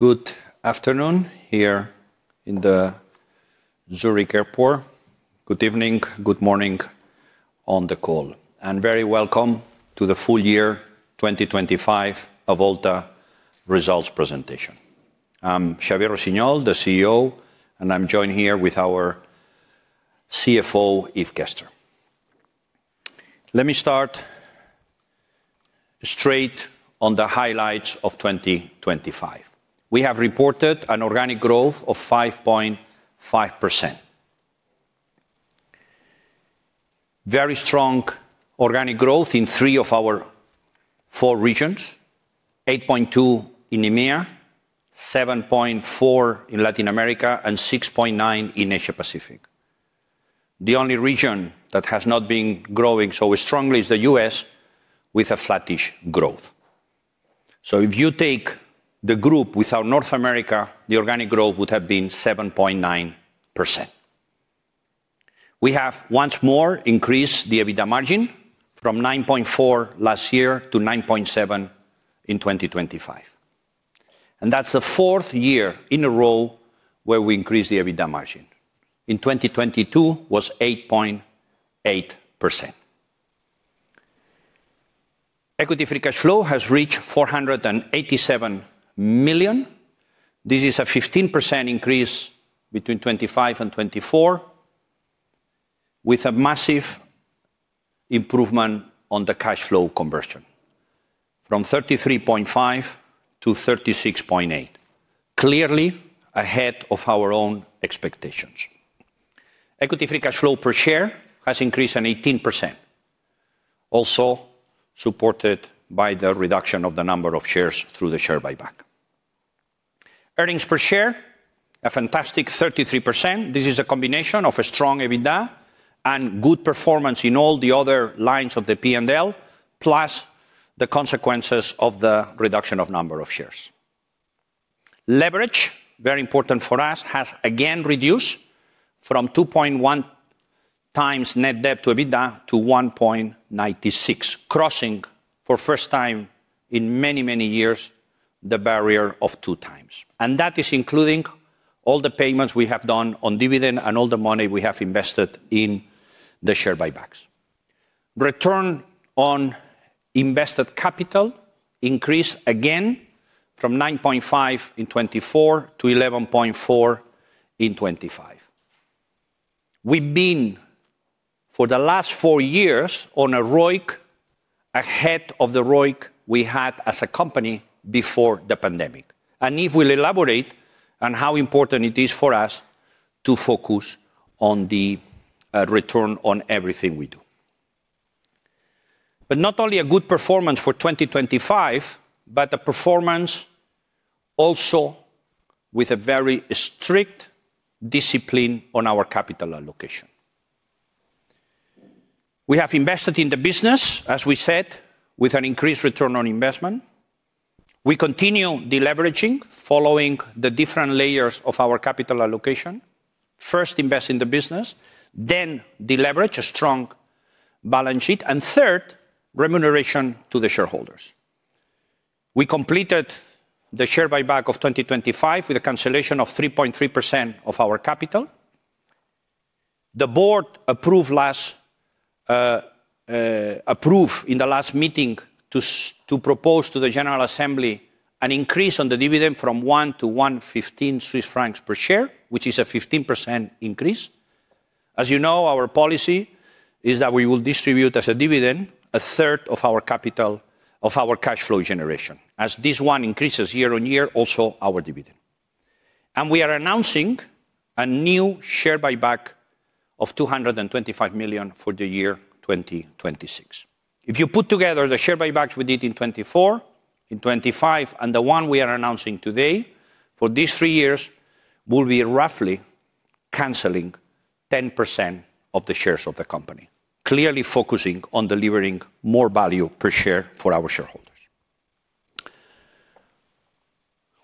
Good afternoon here in the Zürich Airport. Good evening, good morning on the call. Very welcome to the full year uncertain of Avolta results presentation. I'm Xavier Rossinyol, the CEO, and I'm joined here with our CFO, Yves Gerster. Let me start straight on the highlights of uncertain. We have reported an organic growth of 5.5%. Very strong organic growth in three of our four regions. 8.2% in EMEA. 7.4% in Latin America, and 6.9% in Asia Pacific. The only region that has not been growing so strongly is the U.S., with a flattish growth. If you take the group without North America, the organic growth would have been 7.9%. We have once more increased the EBITDA margin from 9.4% last year to 9.7% in uncertain. That's the fourth year in a row where we increased the EBITDA margin. In 2022 was 8.8%. Equity Free Cash Flow has reached 487 million. This is a 15% increase between uncertain and 2024, with a massive improvement on the cash flow conversion from 33.5% to 36.8%. Clearly ahead of our own expectations. Equity Free Cash Flow per share has increased by 18%, also supported by the reduction of the number of shares through the share buyback. Earnings per share, a fantastic 33%. This is a combination of a strong EBITDA and good performance in all the other lines of the P&L, plus the consequences of the reduction of number of shares. Leverage, very important for us, has again reduced from 2.1x net debt to EBITDA to 1.96x, crossing for the first time in many, many years the barrier of 2x. That is including all the payments we have done on dividend and all the money we have invested in the share buybacks. Return on invested capital increased again from 9.5 in 2024 to 11.4 in uncertain. We've been, for the last four years, on a ROIC ahead of the ROIC we had as a company before the pandemic. Yves will elaborate on how important it is for us to focus on the return on everything we do. Not only a good performance for uncertain, but a performance also with a very strict discipline on our capital allocation. We have invested in the business, as we said, with an increased return on investment. We continue deleveraging, following the different layers of our capital allocation. First, invest in the business, then deleverage a strong balance sheet, and third, remuneration to the shareholders. We completed the share buyback of uncertain with a cancellation of 3.3% of our capital. The board approved in the last meeting to propose to the General Assembly an increase on the dividend from 1 to 1.15 Swiss francs per share, which is a 15% increase. As you know, our policy is that we will distribute as a dividend a third of our capital, of our cash flow generation. As this one increases year on year, also our dividend. We are announcing a new share buyback of 225 million for the year 2026. If you put together the share buybacks we did in 2024, in uncertain, and the one we are announcing today, for these three years, we'll be roughly canceling 10% of the shares of the company. Clearly focusing on delivering more value per share for our shareholders.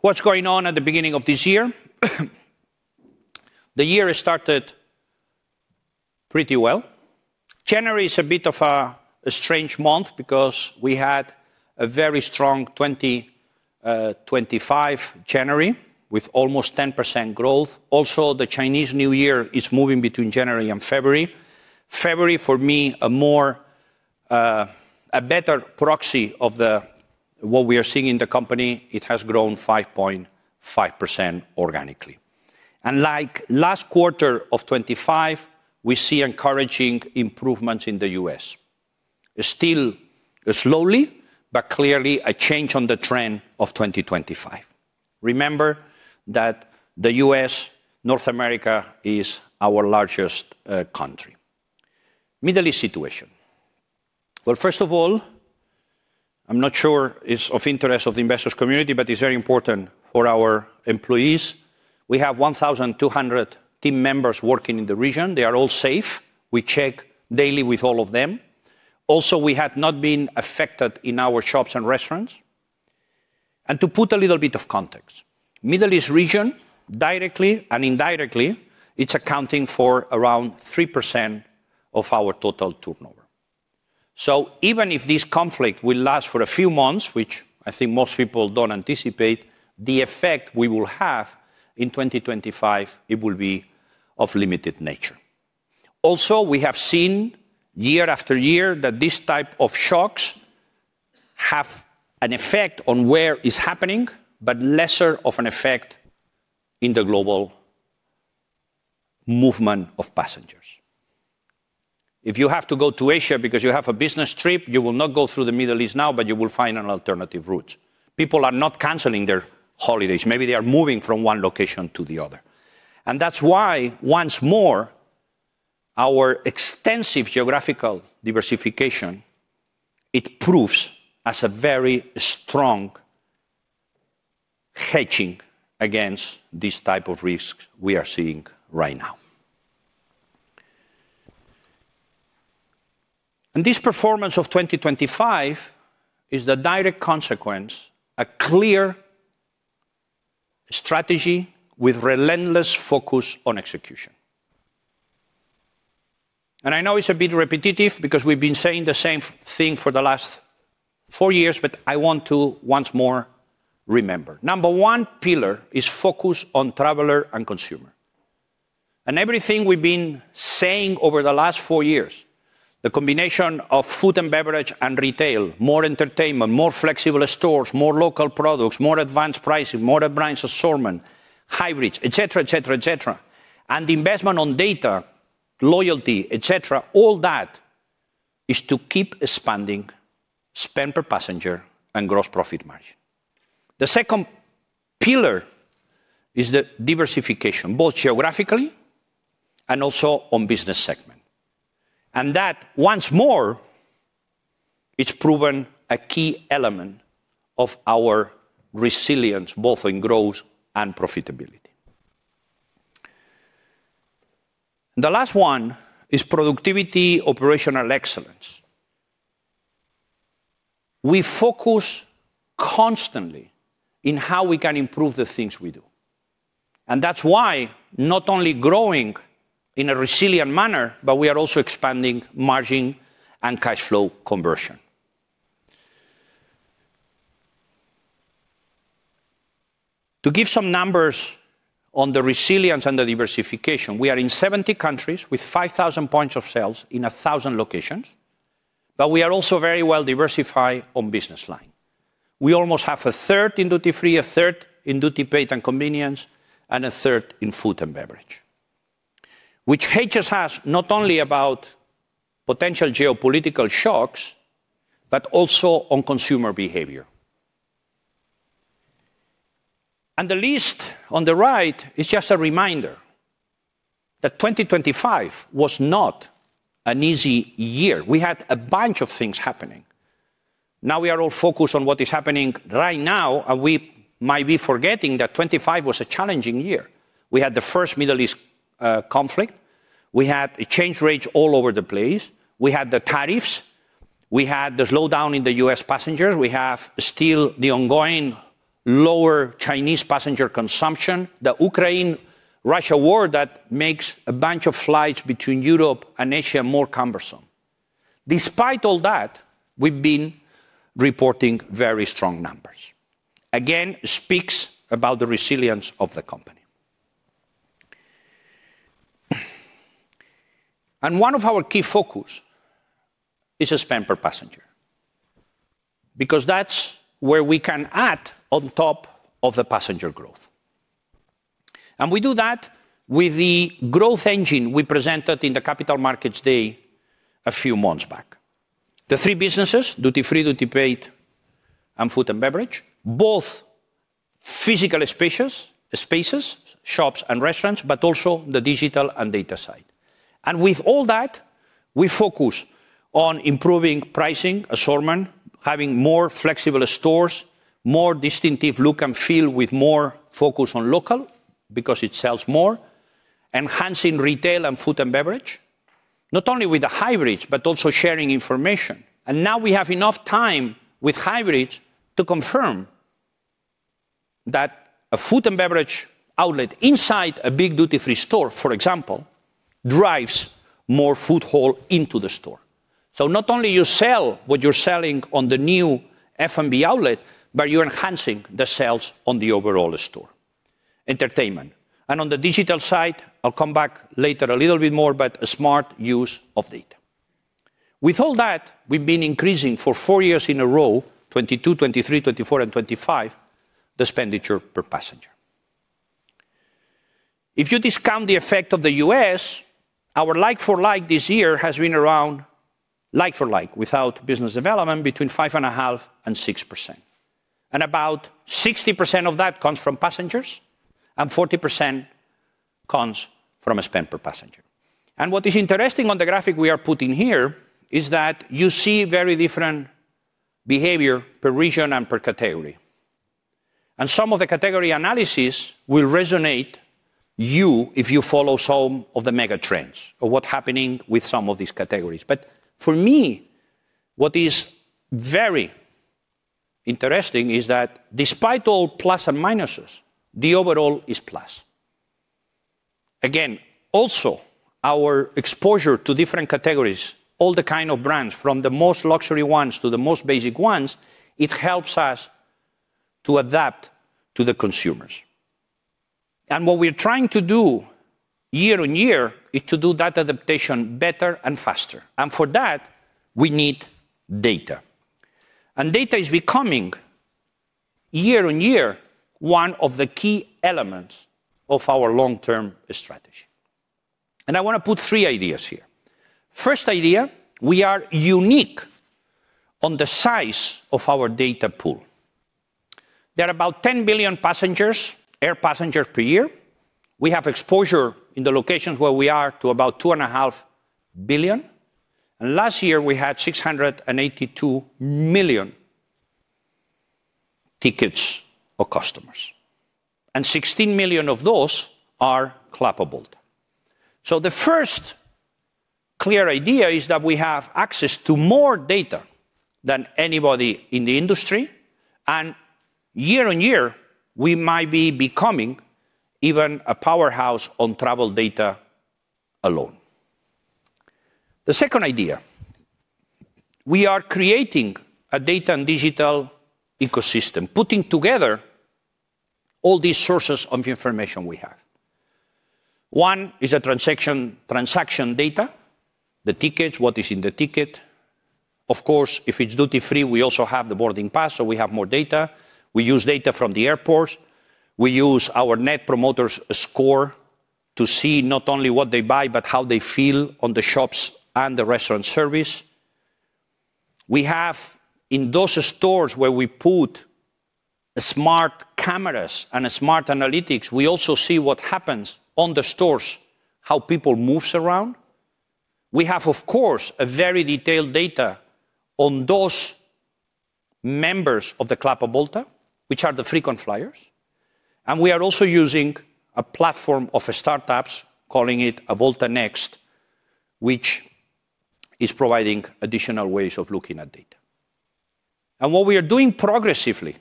What's going on at the beginning of this year? The year started pretty well. January is a bit of a strange month because we had a very strong uncertain January with almost 10% growth. Also, the Chinese New Year is moving between January and February. February, for me, a more a better proxy of what we are seeing in the company. It has grown 5.5% organically. Like last quarter of uncertain, we see encouraging improvements in the U.S. Still slowly, but clearly a change on the trend of uncertain. Remember that the U.S., North America, is our largest country. Middle East situation. Well, first of all, I'm not sure it's of interest of the investors community, but it's very important for our employees. We have 1,200 team members working in the region. They are all safe. We check daily with all of them. Also, we have not been affected in our shops and restaurants. To put a little bit of context, Middle East region, directly and indirectly, it's accounting for around 3% of our total turnover. So even if this conflict will last for a few months, which I think most people don't anticipate, the effect we will have in uncertain, it will be of limited nature. We have seen year after year that these type of shocks have an effect on where it's happening, but lesser of an effect in the global movement of passengers. If you have to go to Asia because you have a business trip, you will not go through the Middle East now, but you will find an alternative route. People are not canceling their holidays. Maybe they are moving from one location to the other. That's why, once more, our extensive geographical diversification, it proves as a very strong hedging against these type of risks we are seeing right now. This performance of uncertain is the direct consequence, a clear strategy with relentless focus on execution. I know it's a bit repetitive because we've been saying the same thing for the last four years, but I want to once more remember. Number one pillar is focus on traveler and consumer. Everything we've been saying over the last four years, the combination of food and beverage and retail, more entertainment, more flexible stores, more local products, more advanced pricing, more advanced assortment, hybrids, et cetera, et cetera, et cetera. Investment on data, loyalty, et cetera, all that is to keep expanding spend per passenger and gross profit margin. The second pillar is the diversification, both geographically and also on business segment. That, once more, it's proven a key element of our resilience, both in growth and profitability. The last one is productivity, operational excellence. We focus constantly in how we can improve the things we do. That's why not only growing in a resilient manner, but we are also expanding margin and cash flow conversion. To give some numbers on the resilience and the diversification, we are in 70 countries with 5,000 points of sales in 1,000 locations, but we are also very well diversified on business line. We almost have 1/3 in duty-free, 1/3 in duty paid and convenience, and 1/3 in food and beverage, which hedges us not only about potential geopolitical shocks, but also on consumer behavior. The list on the right is just a reminder that uncertain was not an easy year. We had a bunch of things happening. Now we are all focused on what is happening right now, and we might be forgetting that uncertain was a challenging year. We had the first Middle East conflict. We had exchange rates all over the place. We had the tariffs. We had the slowdown in the U.S. passengers. We have still the ongoing lower Chinese passenger consumption. The Ukraine-Russia war that makes a bunch of flights between Europe and Asia more cumbersome. Despite all that, we've been reporting very strong numbers. Again, speaks about the resilience of the company. One of our key focus is the spend per passenger, because that's where we can add on top of the passenger growth. We do that with the growth engine we presented in the Capital Markets Day a few months back. The three businesses, duty-free, duty paid, and food and beverage, both physical spaces, shops and restaurants, but also the digital and data side. With all that, we focus on improving pricing, assortment, having more flexible stores, more distinctive look and feel with more focus on local because it sells more, enhancing retail and food and beverage, not only with the hybrids, but also sharing information. Now we have enough time with hybrids to confirm that a food and beverage outlet inside a big duty-free store, for example, drives more footfall into the store. Not only you sell what you're selling on the new F&B outlet, but you're enhancing the sales on the overall store. Entertainment. On the digital side, I'll come back later a little bit more, but a smart use of data. With all that, we've been increasing for four years in a row, 2022, 2023, 2024, and uncertain, the expenditure per passenger. If you discount the effect of the U.S., our like-for-like this year has been around like-for-like, without business development, between 5.5% and 6%. About 60% of that comes from passengers, and 40% comes from a spend per passenger. What is interesting on the graphic we are putting here is that you see very different behavior per region and per category. Some of the category analysis will resonate you if you follow some of the mega trends or what's happening with some of these categories. For me, what is very interesting is that despite all pluses and minuses, the overall is plus. Again, also our exposure to different categories, all the kind of brands from the most luxury ones to the most basic ones, it helps us to adapt to the consumers. What we're trying to do year on year is to do that adaptation better and faster. For that, we need data. Data is becoming, year on year, one of the key elements of our long-term strategy. I wanna put three ideas here. First idea, we are unique on the size of our data pool. There are about 10 billion passengers, air passengers per year. We have exposure in the locations where we are to about 2.5 billion. Last year we had 682 million tickets or customers, and 16 million of those are Club Avolta. The first clear idea is that we have access to more data than anybody in the industry, and year on year, we might be becoming even a powerhouse on travel data alone. The second idea, we are creating a data and digital ecosystem, putting together all these sources of information we have. One is transaction data, the tickets, what is in the ticket. Of course, if it's duty-free, we also have the boarding pass, so we have more data. We use data from the airports. We use our net promoter score to see not only what they buy, but how they feel on the shops and the restaurant service. We have, in those stores where we put smart cameras and smart analytics, we also see what happens on the stores, how people moves around. We have, of course, a very detailed data on those members of the Club Avolta, which are the frequent flyers. We are also using a platform of startups, calling it Avolta Next, which is providing additional ways of looking at data. What we are doing progressively,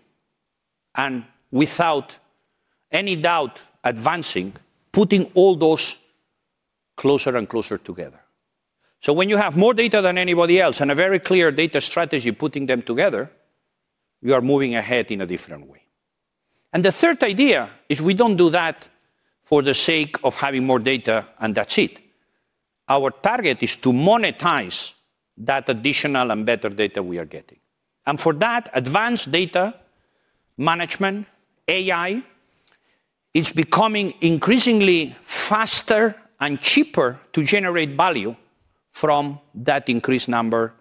and without any doubt advancing, putting all those closer and closer together. When you have more data than anybody else and a very clear data strategy putting them together, you are moving ahead in a different way. The third idea is we don't do that for the sake of having more data, and that's it. Our target is to monetize that additional and better data we are getting. For that advanced data management, AI is becoming increasingly faster and cheaper to generate value from that increased number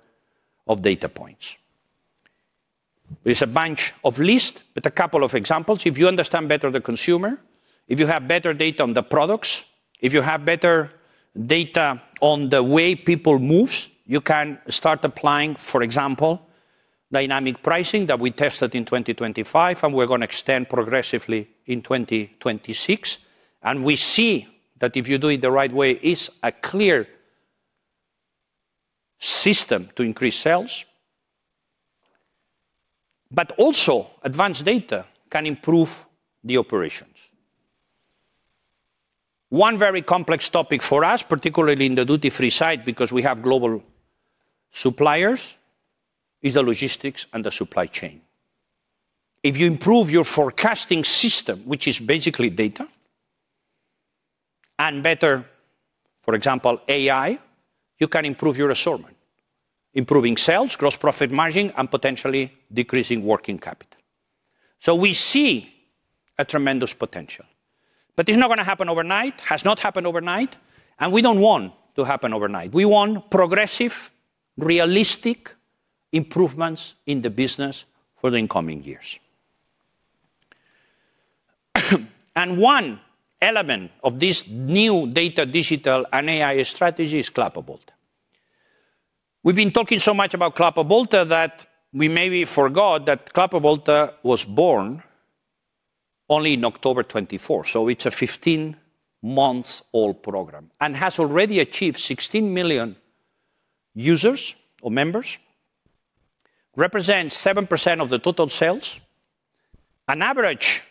of data points. There's a bunch of list, but a couple of examples. If you understand better the consumer, if you have better data on the products, if you have better data on the way people moves, you can start applying, for example, dynamic pricing that we tested in uncertain and we're gonna extend progressively in 2026. We see that if you do it the right way, it's a clear system to increase sales. Advanced data can improve the operations. One very complex topic for us, particularly in the duty-free side, because we have global suppliers, is the logistics and the supply chain. If you improve your forecasting system, which is basically data, and better, for example, AI, you can improve your assortment, improving sales, gross profit margin, and potentially decreasing working capital. We see a tremendous potential, but it's not gonna happen overnight, has not happened overnight, and we don't want to happen overnight. We want progressive, realistic improvements in the business for the incoming years. One element of this new data digital and AI strategy is Club Avolta. We've been talking so much about Club Avolta that we maybe forgot that Club Avolta was born only in October 2024, so it's a 15-month-old program and has already achieved 16 million users or members, represents 7% of the total sales. An average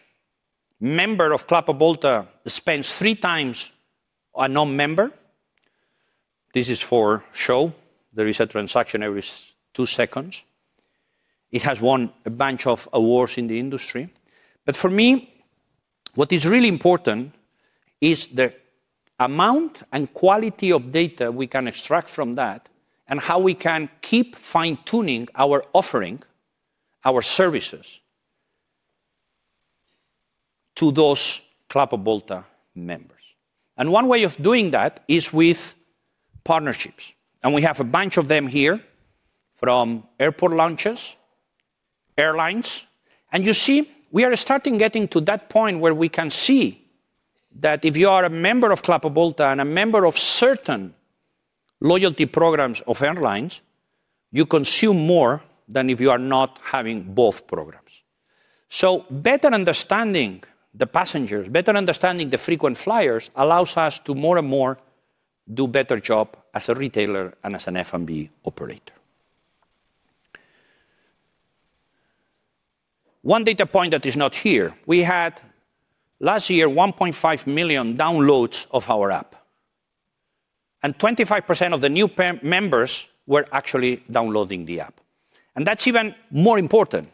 member of Club Avolta spends 3 times a non-member. This is for show. There is a transaction every two seconds. It has won a bunch of awards in the industry. For me, what is really important is the amount and quality of data we can extract from that and how we can keep fine-tuning our offering, our services to those Club Avolta members. One way of doing that is with partnerships, and we have a bunch of them here from airport launches, airlines. You see, we are starting getting to that point where we can see that if you are a member of Club Avolta and a member of certain loyalty programs of airlines, you consume more than if you are not having both programs. Better understanding the passengers, better understanding the frequent flyers allows us to more and more do better job as a retailer and as an F&B operator. One data point that is not here, we had last year 1.5 million downloads of our app, and 25% of the new members were actually downloading the app. That's even more important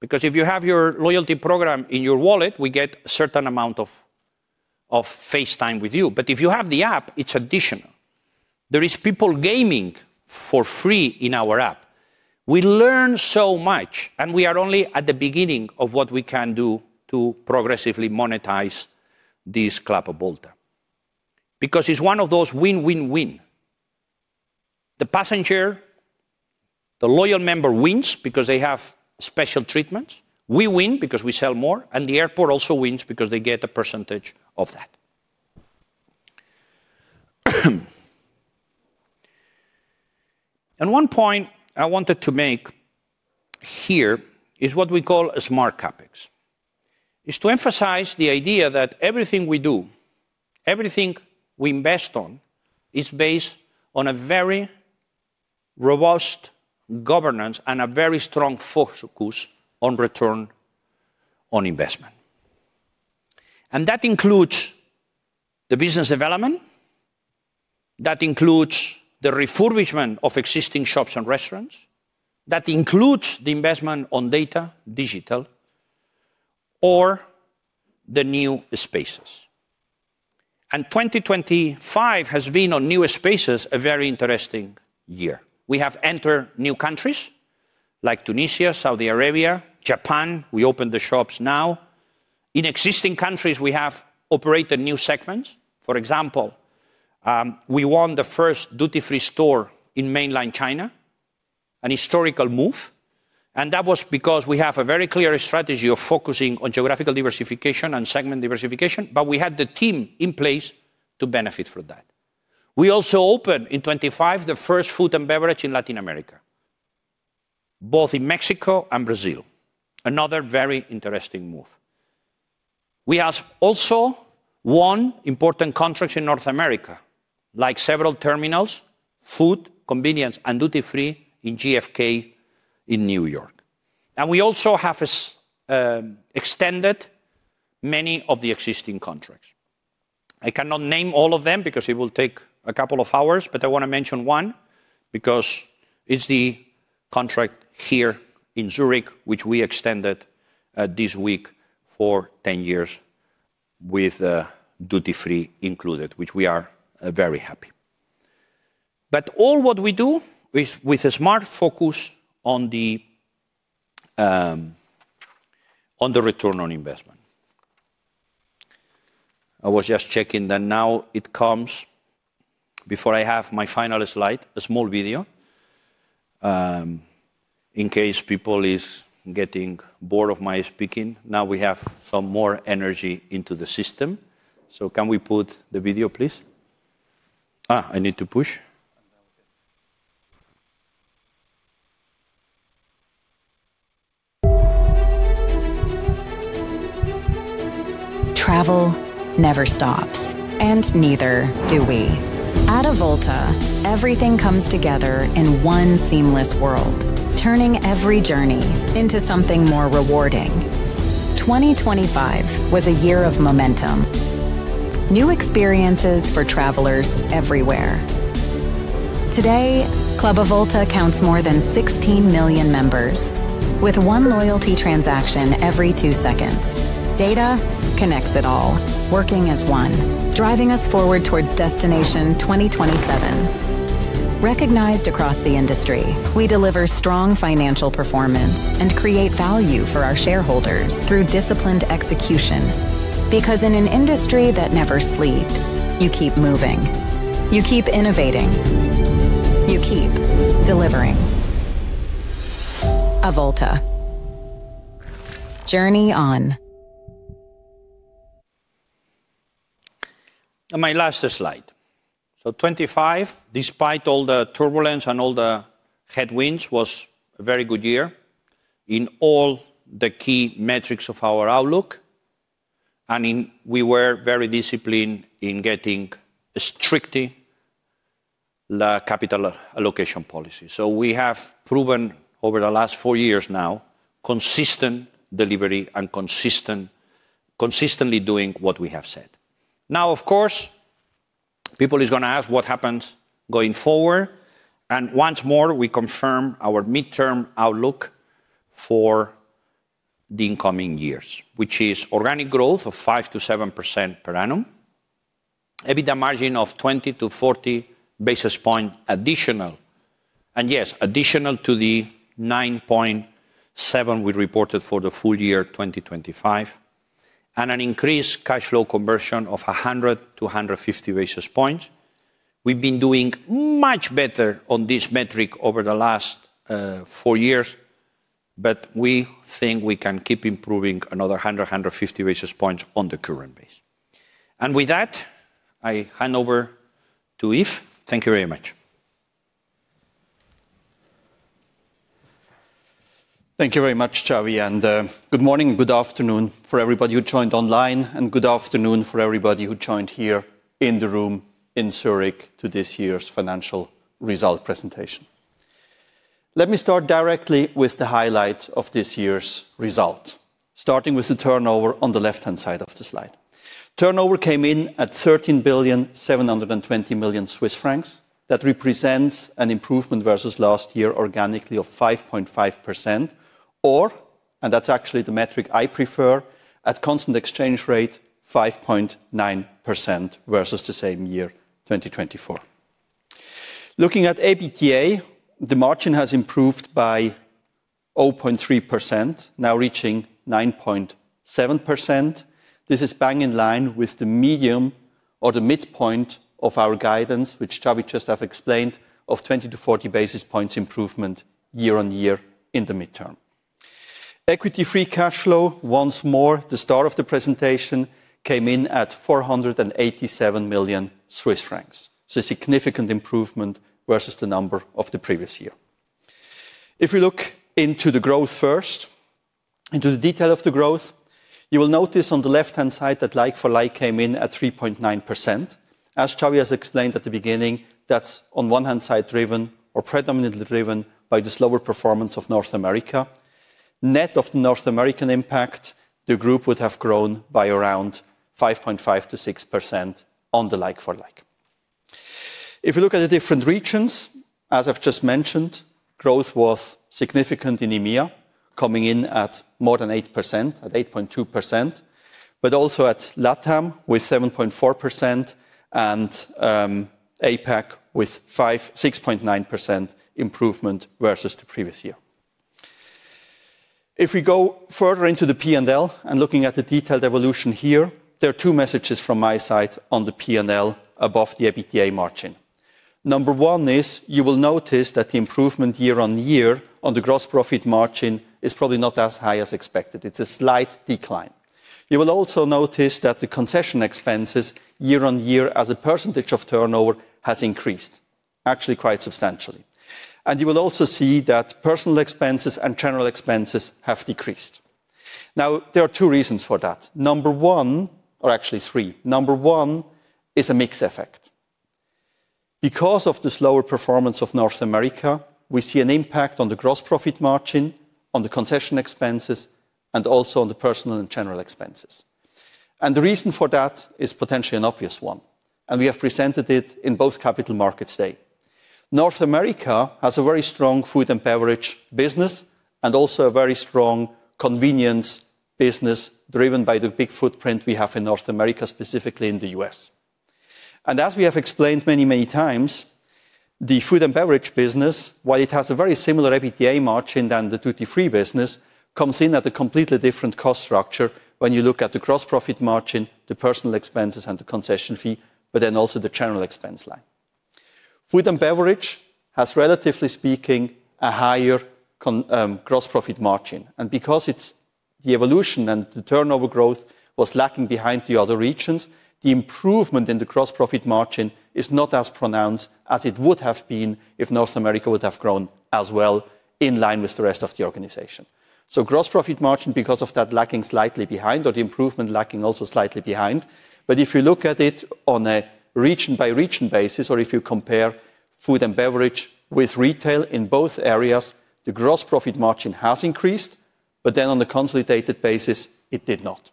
because if you have your loyalty program in your wallet, we get a certain amount of face time with you. If you have the app, it's additional. There is people gaming for free in our app. We learn so much, and we are only at the beginning of what we can do to progressively monetize this Club Avolta. Because it's one of those win-win-win. The passenger, the loyal member wins because they have special treatments, we win because we sell more, and the airport also wins because they get a percentage of that. One point I wanted to make here is what we call a smart CapEx. It's to emphasize the idea that everything we do, everything we invest on, is based on a very robust governance and a very strong focus on return on investment. That includes the business development, that includes the refurbishment of existing shops and restaurants, that includes the investment on data, digital, or the new spaces. uncertain has been, on new spaces, a very interesting year. We have entered new countries, like Tunisia, Saudi Arabia, Japan. We opened the shops now. In existing countries, we have operated new segments. For example, we won the first duty-free store in mainland China, an historical move, and that was because we have a very clear strategy of focusing on geographical diversification and segment diversification, but we had the team in place to benefit from that. We also opened in uncertain the first food and beverage in Latin America, both in Mexico and Brazil. Another very interesting move. We have also won important contracts in North America, like several terminals, food, convenience, and duty-free in JFK in New York. We also have extended many of the existing contracts. I cannot name all of them because it will take a couple of hours, but I wanna mention one because it's the contract here in Zürich, which we extended this week for 10 years with duty-free included, which we are very happy. All what we do is with a smart focus on the return on investment. I was just checking that now it comes. Before I have my final slide, a small video in case people is getting bored of my speaking. Now we have some more energy into the system. Can we put the video, please? I need to push. Travel never stops, and neither do we. At Avolta, everything comes together in one seamless world, turning every journey into something more rewarding. uncertain was a year of momentum. New experiences for travelers everywhere. Today, Club Avolta counts more than 16 million members with one loyalty transaction every two seconds. Data connects it all, working as one, driving us forward towards Destination 2027. Recognized across the industry, we deliver strong financial performance and create value for our shareholders through disciplined execution. Because in an industry that never sleeps, you keep moving, you keep innovating, you keep delivering. Avolta. Journey on. My last slide. Twenty-five, despite all the turbulence and all the headwinds, was a very good year in all the key metrics of our outlook. We were very disciplined in getting a strict capital allocation policy. We have proven over the last four years now, consistent delivery and consistently doing what we have said. Now, of course, people is gonna ask what happens going forward. Once more, we confirm our midterm outlook for the incoming years, which is organic growth of 5%-7% per annum, EBITDA margin of 20-40 basis point additional. Yes, additional to the 9.7% we reported for the full year uncertain. An increased cash flow conversion of 100-150 basis points. We've been doing much better on this metric over the last four years, but we think we can keep improving another 150 basis points on the current base. With that, I hand over to Yves. Thank you very much. Thank you very much, Xavier. Good morning, good afternoon to everybody who joined online, and good afternoon to everybody who joined here. In the room in Zurich to this year's financial result presentation. Let me start directly with the highlight of this year's result, starting with the turnover on the left-hand side of the slide. Turnover came in at 13.72 billion. That represents an improvement versus last year organically of 5.5% or, and that's actually the metric I prefer, at constant exchange rate, 5.9% versus the same year, 2024. Looking at EBITDA, the margin has improved by 0.3%, now reaching 9.7%. This is bang in line with the medium or the midpoint of our guidance, which Xavier just have explained of 20-40 basis points improvement year-on-year in the midterm. Equity Free Cash Flow, once more, the start of the presentation came in at 487 million Swiss francs. It's a significant improvement versus the number of the previous year. If we look into the growth first, into the detail of the growth, you will notice on the left-hand side that like for like came in at 3.9%. As Xavier has explained at the beginning, that's on one hand side driven or predominantly driven by the slower performance of North America. Net of the North American impact, the group would have grown by around 5.5%-6% on the like for like. If you look at the different regions, as I've just mentioned, growth was significant in EMEA, coming in at more than 8%, at 8.2%, but also in LATAM with 7.4% and APAC with 5.69% improvement versus the previous year. If we go further into the P&L and looking at the detailed evolution here, there are two messages from my side on the P&L above the EBITDA margin. Number one is you will notice that the improvement year-on-year on the gross profit margin is probably not as high as expected. It's a slight decline. You will also notice that the concession expenses year-on-year as a percentage of turnover has increased, actually quite substantially. You will also see that personnel expenses and general expenses have decreased. Now, there are two reasons for that. Number one... Actually three. Number one is a mix effect. Because of the slower performance of North America, we see an impact on the gross profit margin, on the concession expenses, and also on the personnel and general expenses. The reason for that is potentially an obvious one, and we have presented it in both Capital Markets Day today. North America has a very strong food and beverage business and also a very strong convenience business driven by the big footprint we have in North America, specifically in the U.S. As we have explained many, many times, the food and beverage business, while it has a very similar EBITDA margin than the duty-free business, comes in at a completely different cost structure when you look at the gross profit margin, the personnel expenses and the concession fee, but then also the general expense line. Food and beverage has, relatively speaking, a higher gross profit margin. Because it's the evolution and the turnover growth was lacking behind the other regions, the improvement in the gross profit margin is not as pronounced as it would have been if North America would have grown as well in line with the rest of the organization. Gross profit margin because of that lacking slightly behind or the improvement lacking also slightly behind. If you look at it on a region by region basis, or if you compare food and beverage with retail in both areas, the gross profit margin has increased, but then on the consolidated basis, it did not.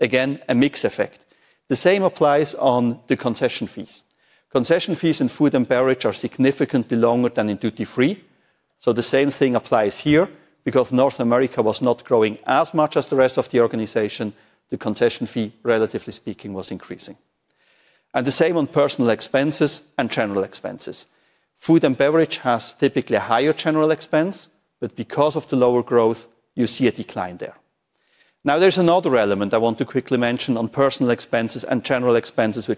Again, a mix effect. The same applies on the concession fees. Concession fees in food and beverage are significantly longer than in duty-free. The same thing applies here. Because North America was not growing as much as the rest of the organization, the concession fee, relatively speaking, was increasing. The same on personnel expenses and general expenses. Food and beverage has typically a higher general expense, but because of the lower growth, you see a decline there. Now there's another element I want to quickly mention on personnel expenses and general expenses.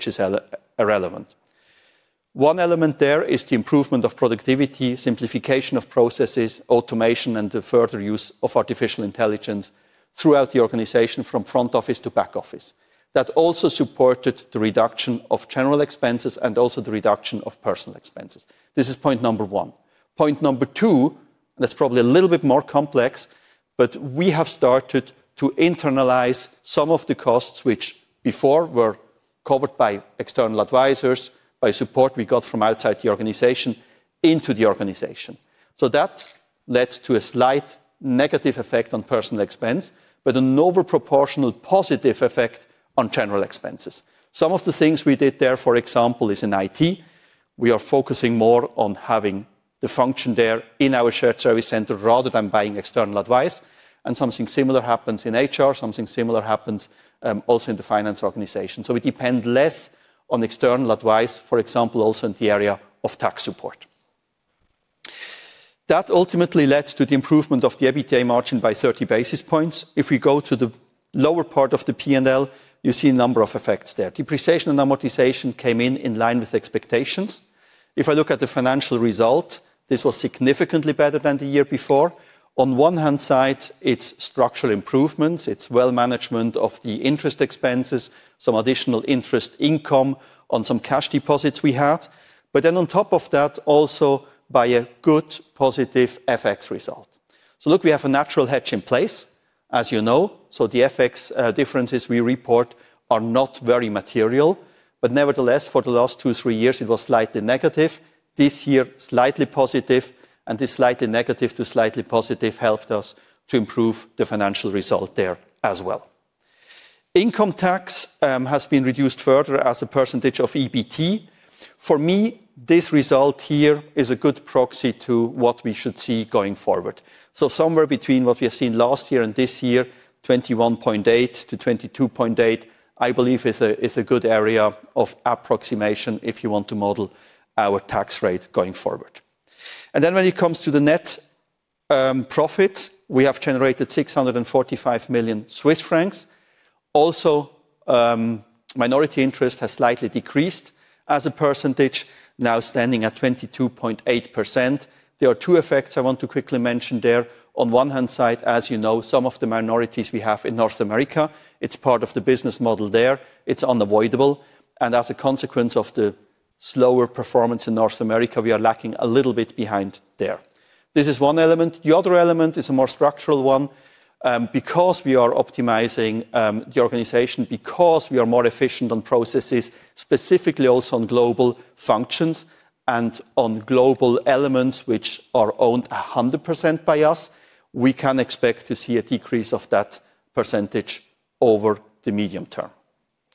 One element there is the improvement of productivity, simplification of processes, automation, and the further use of artificial intelligence throughout the organization from front office to back office. That also supported the reduction of general expenses and also the reduction of personnel expenses. This is point number one. Point number 2, that's probably a little bit more complex, but we have started to internalize some of the costs which before were covered by external advisors and support we got from outside the organization into the organization. That led to a slight negative effect on personnel expense, but a disproportionate positive effect on general expenses. Some of the things we did there, for example, is in IT. We are focusing more on having the function there in our shared service center rather than buying external advice. Something similar happens in HR, also in the finance organization. We depend less on external advice, for example, also in the area of tax support. That ultimately led to the improvement of the EBITDA margin by 30 basis points. If we go to the lower part of the P&L, you see a number of effects there. Depreciation and amortization came in in line with expectations. If I look at the financial result, this was significantly better than the year before. On one hand side, it's structural improvements, it's well management of the interest expenses, some additional interest income on some cash deposits we had. On top of that, also by a good positive FX result. Look, we have a natural hedge in place, as you know. The FX differences we report are not very material. But nevertheless, for the last two, three years, it was slightly negative. This year, slightly positive, and this slightly negative to slightly positive helped us to improve the financial result there as well. Income tax has been reduced further as a percentage of EBT. For me, this result here is a good proxy to what we should see going forward. Somewhere between what we have seen last year and this year, 21.8%-22.8%, I believe is a good area of approximation if you want to model our tax rate going forward. Then when it comes to the net profit, we have generated 645 million Swiss francs. Also, minority interest has slightly decreased as a percentage, now standing at 22.8%. There are two effects I want to quickly mention there. On the one hand, as you know, some of the minorities we have in North America, it's part of the business model there. It's unavoidable. As a consequence of the slower performance in North America, we are lagging a little bit behind there. This is one element. The other element is a more structural one. Because we are optimizing the organization, because we are more efficient on processes, specifically also on global functions and on global elements which are owned 100% by us, we can expect to see a decrease of that percentage over the medium term.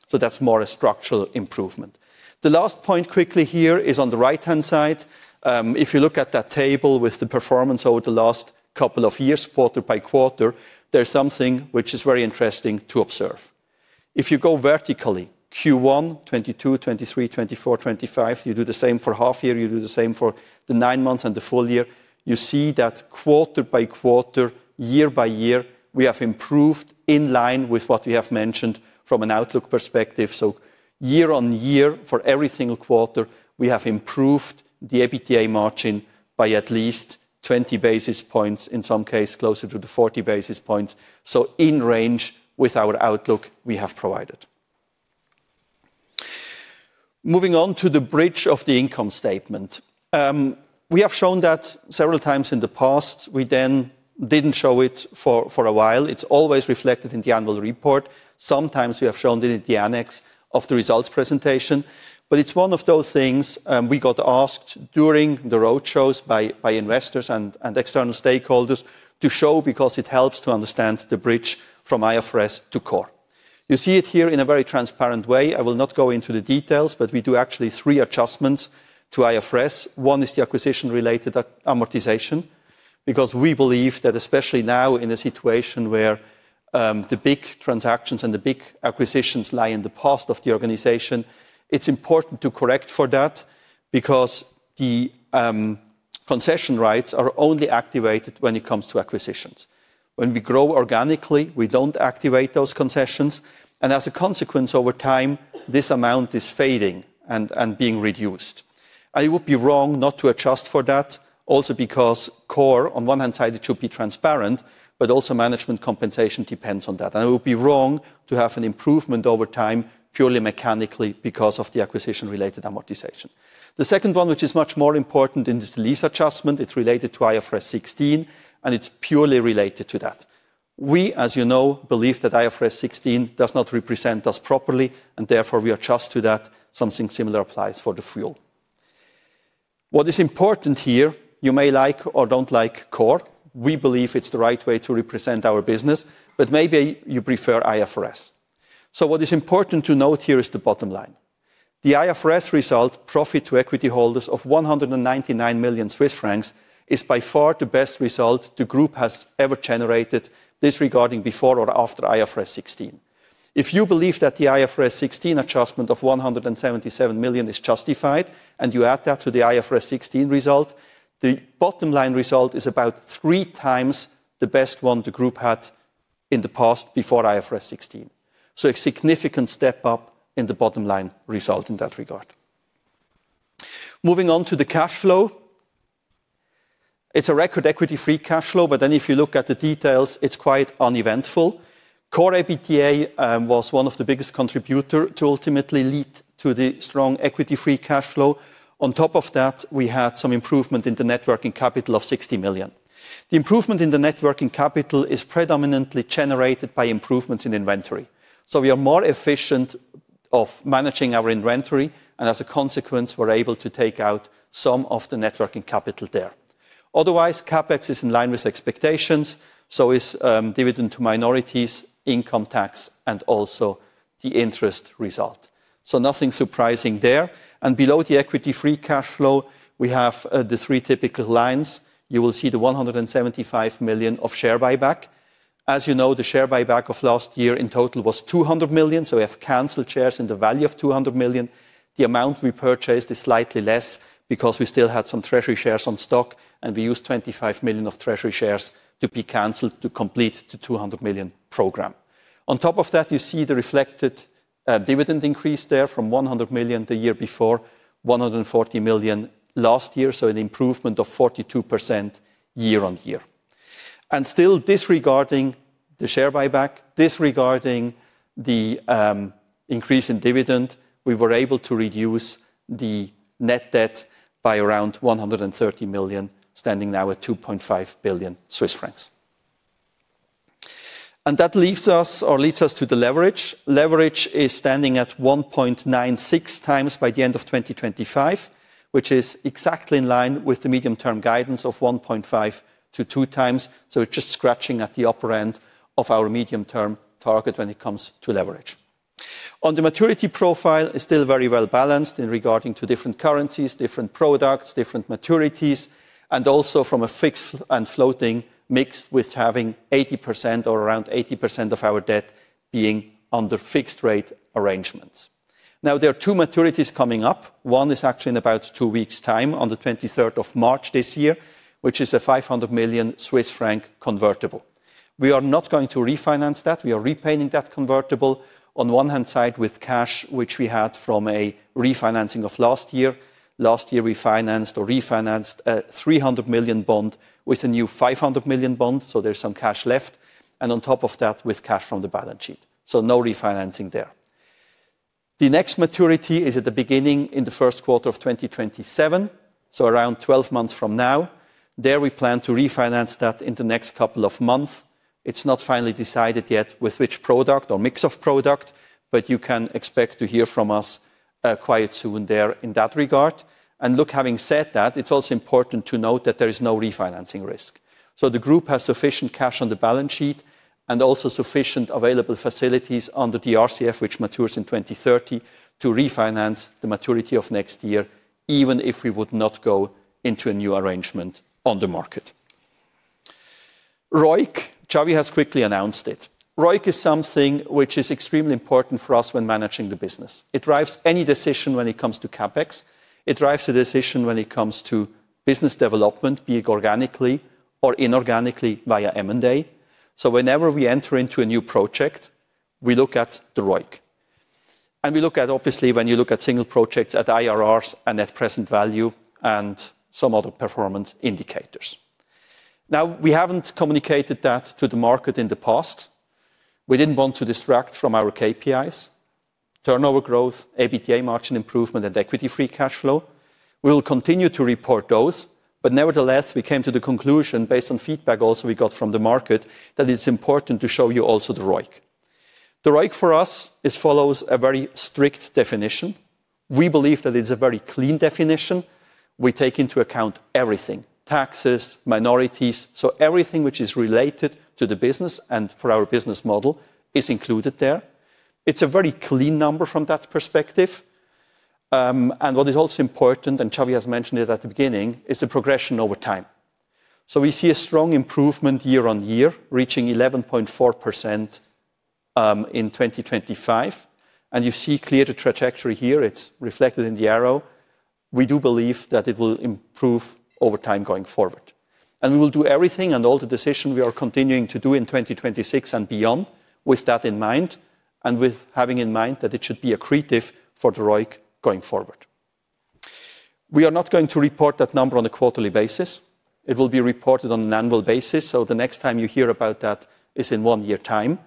That's more a structural improvement. The last point quickly here is on the right-hand side. If you look at that table with the performance over the last couple of years, quarter by quarter, there's something which is very interesting to observe. If you go vertically, Q1, 2022, 2023, 2024, uncertain, you do the same for half year, you do the same for the nine months and the full year, you see that quarter by quarter, year by year, we have improved in line with what we have mentioned from an outlook perspective. Year on year, for every single quarter, we have improved the EBITDA margin by at least 20 basis points, in some case, closer to the 40 basis points. In line with our outlook we have provided. Moving on to the bridge of the income statement. We have shown that several times in the past. We then didn't show it for a while. It's always reflected in the annual report. Sometimes we have shown it in the annex of the results presentation. It's one of those things, we got asked during the road shows by investors and external stakeholders to show because it helps to understand the bridge from IFRS to CORE. You see it here in a very transparent way. I will not go into the details, but we do actually 3 adjustments to IFRS. One is the acquisition-related amortization, because we believe that especially now in a situation where the big transactions and the big acquisitions lie in the past of the organization, it's important to correct for that because the concession rights are only activated when it comes to acquisitions. When we grow organically, we don't activate those concessions, and as a consequence, over time, this amount is fading and being reduced. It would be wrong not to adjust for that also because CORE, on the one hand, it should be transparent, but also management compensation depends on that. It would be wrong to have an improvement over time, purely mechanically because of the acquisition-related amortization. The second one, which is much more important in this lease adjustment, it's related to IFRS 16, and it's purely related to that. We, as you know, believe that IFRS 16 does not represent us properly, and therefore we adjust to that. Something similar applies for the fuel. What is important here, you may like or don't like CORE. We believe it's the right way to represent our business, but maybe you prefer IFRS. What is important to note here is the bottom line. The IFRS profit to equity holders of 199 million Swiss francs is by far the best result the group has ever generated in this regard before or after IFRS 16. If you believe that the IFRS 16 adjustment of 177 million is justified and you add that to the IFRS 16 result, the bottom line result is about three times the best one the group had in the past before IFRS 16. A significant step up in the bottom line result in that regard. Moving on to the cash flow. It's a record equity free cash flow, but then if you look at the details, it's quite uneventful. CORE EBITDA was one of the biggest contributor to ultimately lead to the strong equity free cash flow. On top of that, we had some improvement in the net working capital of 60 million. The improvement in the net working capital is predominantly generated by improvements in inventory. We are more efficient of managing our inventory, and as a consequence, we're able to take out some of the net working capital there. Otherwise, CapEx is in line with expectations, so is dividend to minorities, income tax, and also the interest result. Nothing surprising there. Below the equity free cash flow, we have the three typical lines. You will see the 175 million of share buyback. As you know, the share buyback of last year in total was 200 million, so we have canceled shares in the value of 200 million. The amount we purchased is slightly less because we still had some treasury shares on stock, and we used 25 million of treasury shares to be canceled to complete the 200 million program. On top of that, you see the reflected dividend increase there from 100 million the year before, 140 million last year, so an improvement of 42% year on year. Still disregarding the share buyback, disregarding the increase in dividend, we were able to reduce the net debt by around 130 million, standing now at 2.5 billion Swiss francs. That leaves us or leads us to the leverage. Leverage is standing at 1.96 times by the end of uncertain, which is exactly in line with the medium-term guidance of 1.5-2 times. Just scratching at the upper end of our medium-term target when it comes to leverage. The maturity profile is still very well balanced regarding different currencies, different products, different maturities, and also from a fixed and floating mix with having 80% or around 80% of our debt being under fixed rate arrangements. Now, there are two maturities coming up. One is actually in about two weeks time on the twenty-third of March this year, which is a 500 million Swiss franc convertible. We are not going to refinance that. We are repaying that convertible on one hand side with cash, which we had from a refinancing of last year. Last year, we financed or refinanced a 300 million bond with a new 500 million bond. There's some cash left. On top of that, with cash from the balance sheet. No refinancing there. The next maturity is at the beginning in the first quarter of 2027, so around 12 months from now. There we plan to refinance that in the next couple of months. It's not finally decided yet with which product or mix of product, but you can expect to hear from us, quite soon there in that regard. Look, having said that, it's also important to note that there is no refinancing risk. The group has sufficient cash on the balance sheet and also sufficient available facilities under the RCF, which matures in 2030, to refinance the maturity of next year, even if we would not go into a new arrangement on the market. ROIC, Xavier has quickly announced it. ROIC is something which is extremely important for us when managing the business. It drives any decision when it comes to CapEx. It drives the decision when it comes to business development, be it organically or inorganically via M&A. Whenever we enter into a new project, we look at the ROIC. We look at, obviously, when you look at single projects at IRRs and at present value and some other performance indicators. Now, we haven't communicated that to the market in the past. We didn't want to distract from our KPIs, turnover growth, EBITDA margin improvement, and equity-free cash flow. We will continue to report those, but nevertheless, we came to the conclusion based on feedback also we got from the market that it's important to show you also the ROIC. The ROIC for us follows a very strict definition. We believe that it's a very clean definition. We take into account everything, taxes, minorities. So everything which is related to the business and for our business model is included there. It's a very clean number from that perspective. And what is also important, and Xavier has mentioned it at the beginning, is the progression over time. So we see a strong improvement year-on-year, reaching 11.4%, in uncertain. You see clearly the trajectory here. It's reflected in the arrow. We do believe that it will improve over time going forward. We will do everything and all the decision we are continuing to do in 2026 and beyond with that in mind and with having in mind that it should be accretive for the ROIC going forward. We are not going to report that number on a quarterly basis. It will be reported on an annual basis. The next time you hear about that is in one-year time.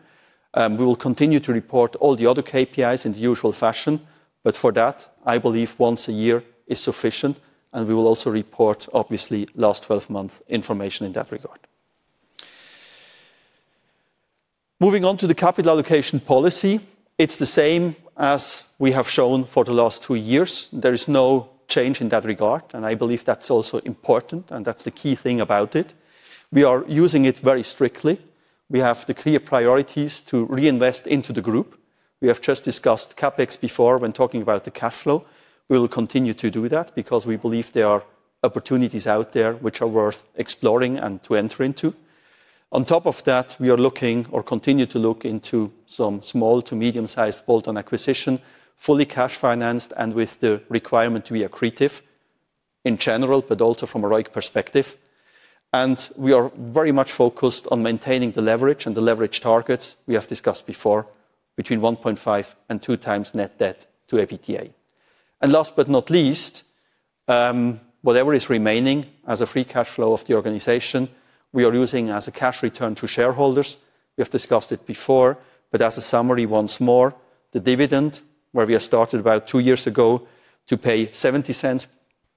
We will continue to report all the other KPIs in the usual fashion. For that, I believe once a year is sufficient, and we will also report, obviously, last twelve months information in that regard. Moving on to the capital allocation policy. It's the same as we have shown for the last two years. There is no change in that regard, and I believe that's also important, and that's the key thing about it. We are using it very strictly. We have the clear priorities to reinvest into the group. We have just discussed CapEx before when talking about the cash flow. We will continue to do that because we believe there are opportunities out there which are worth exploring and to enter into. On top of that, we are looking or continue to look into some small to medium-sized bolt-on acquisition, fully cash financed and with the requirement to be accretive in general, but also from a ROIC perspective. We are very much focused on maintaining the leverage and the leverage targets we have discussed before between 1.5 and 2 times net debt to EBITDA. Last but not least, whatever is remaining as a free cash flow of the organization, we are using as a cash return to shareholders. We have discussed it before, but as a summary once more, the dividend, where we have started about two years ago to pay 70 cents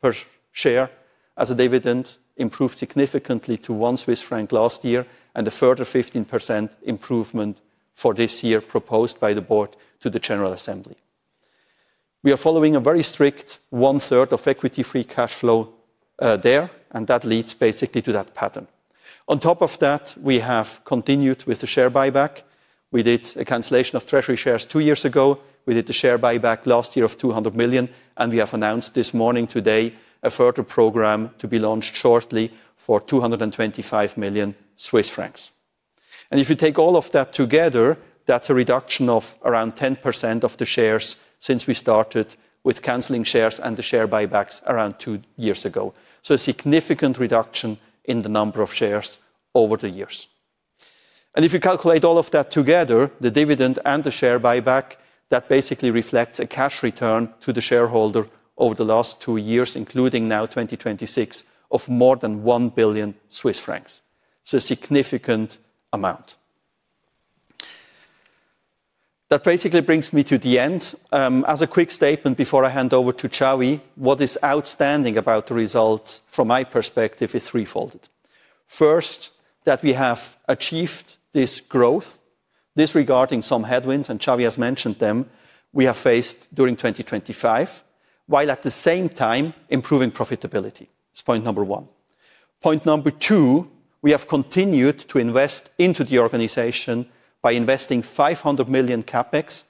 per share as a dividend, improved significantly to 1 Swiss franc last year and a further 15% improvement for this year proposed by the board to the General Assembly. We are following a very strict one-third of equity free cash flow, there, and that leads basically to that pattern. On top of that, we have continued with the share buyback. We did a cancellation of treasury shares two years ago. We did the share buyback last year of 200 million, and we have announced this morning today a further program to be launched shortly for 225 million Swiss francs. If you take all of that together, that's a reduction of around 10% of the shares since we started with canceling shares and the share buybacks around 2 years ago. A significant reduction in the number of shares over the years. If you calculate all of that together, the dividend and the share buyback, that basically reflects a cash return to the shareholder over the last 2 years, including now 2026, of more than 1 billion Swiss francs. It's a significant amount. That basically brings me to the end. As a quick statement before I hand over to Xavier, what is outstanding about the result from my perspective is threefold. First, that we have achieved this growth disregarding some headwinds, and Xavier has mentioned them, we have faced during uncertain, while at the same time improving profitability. That's point number one. Point number two, we have continued to invest into the organization by investing 500 million CapEx,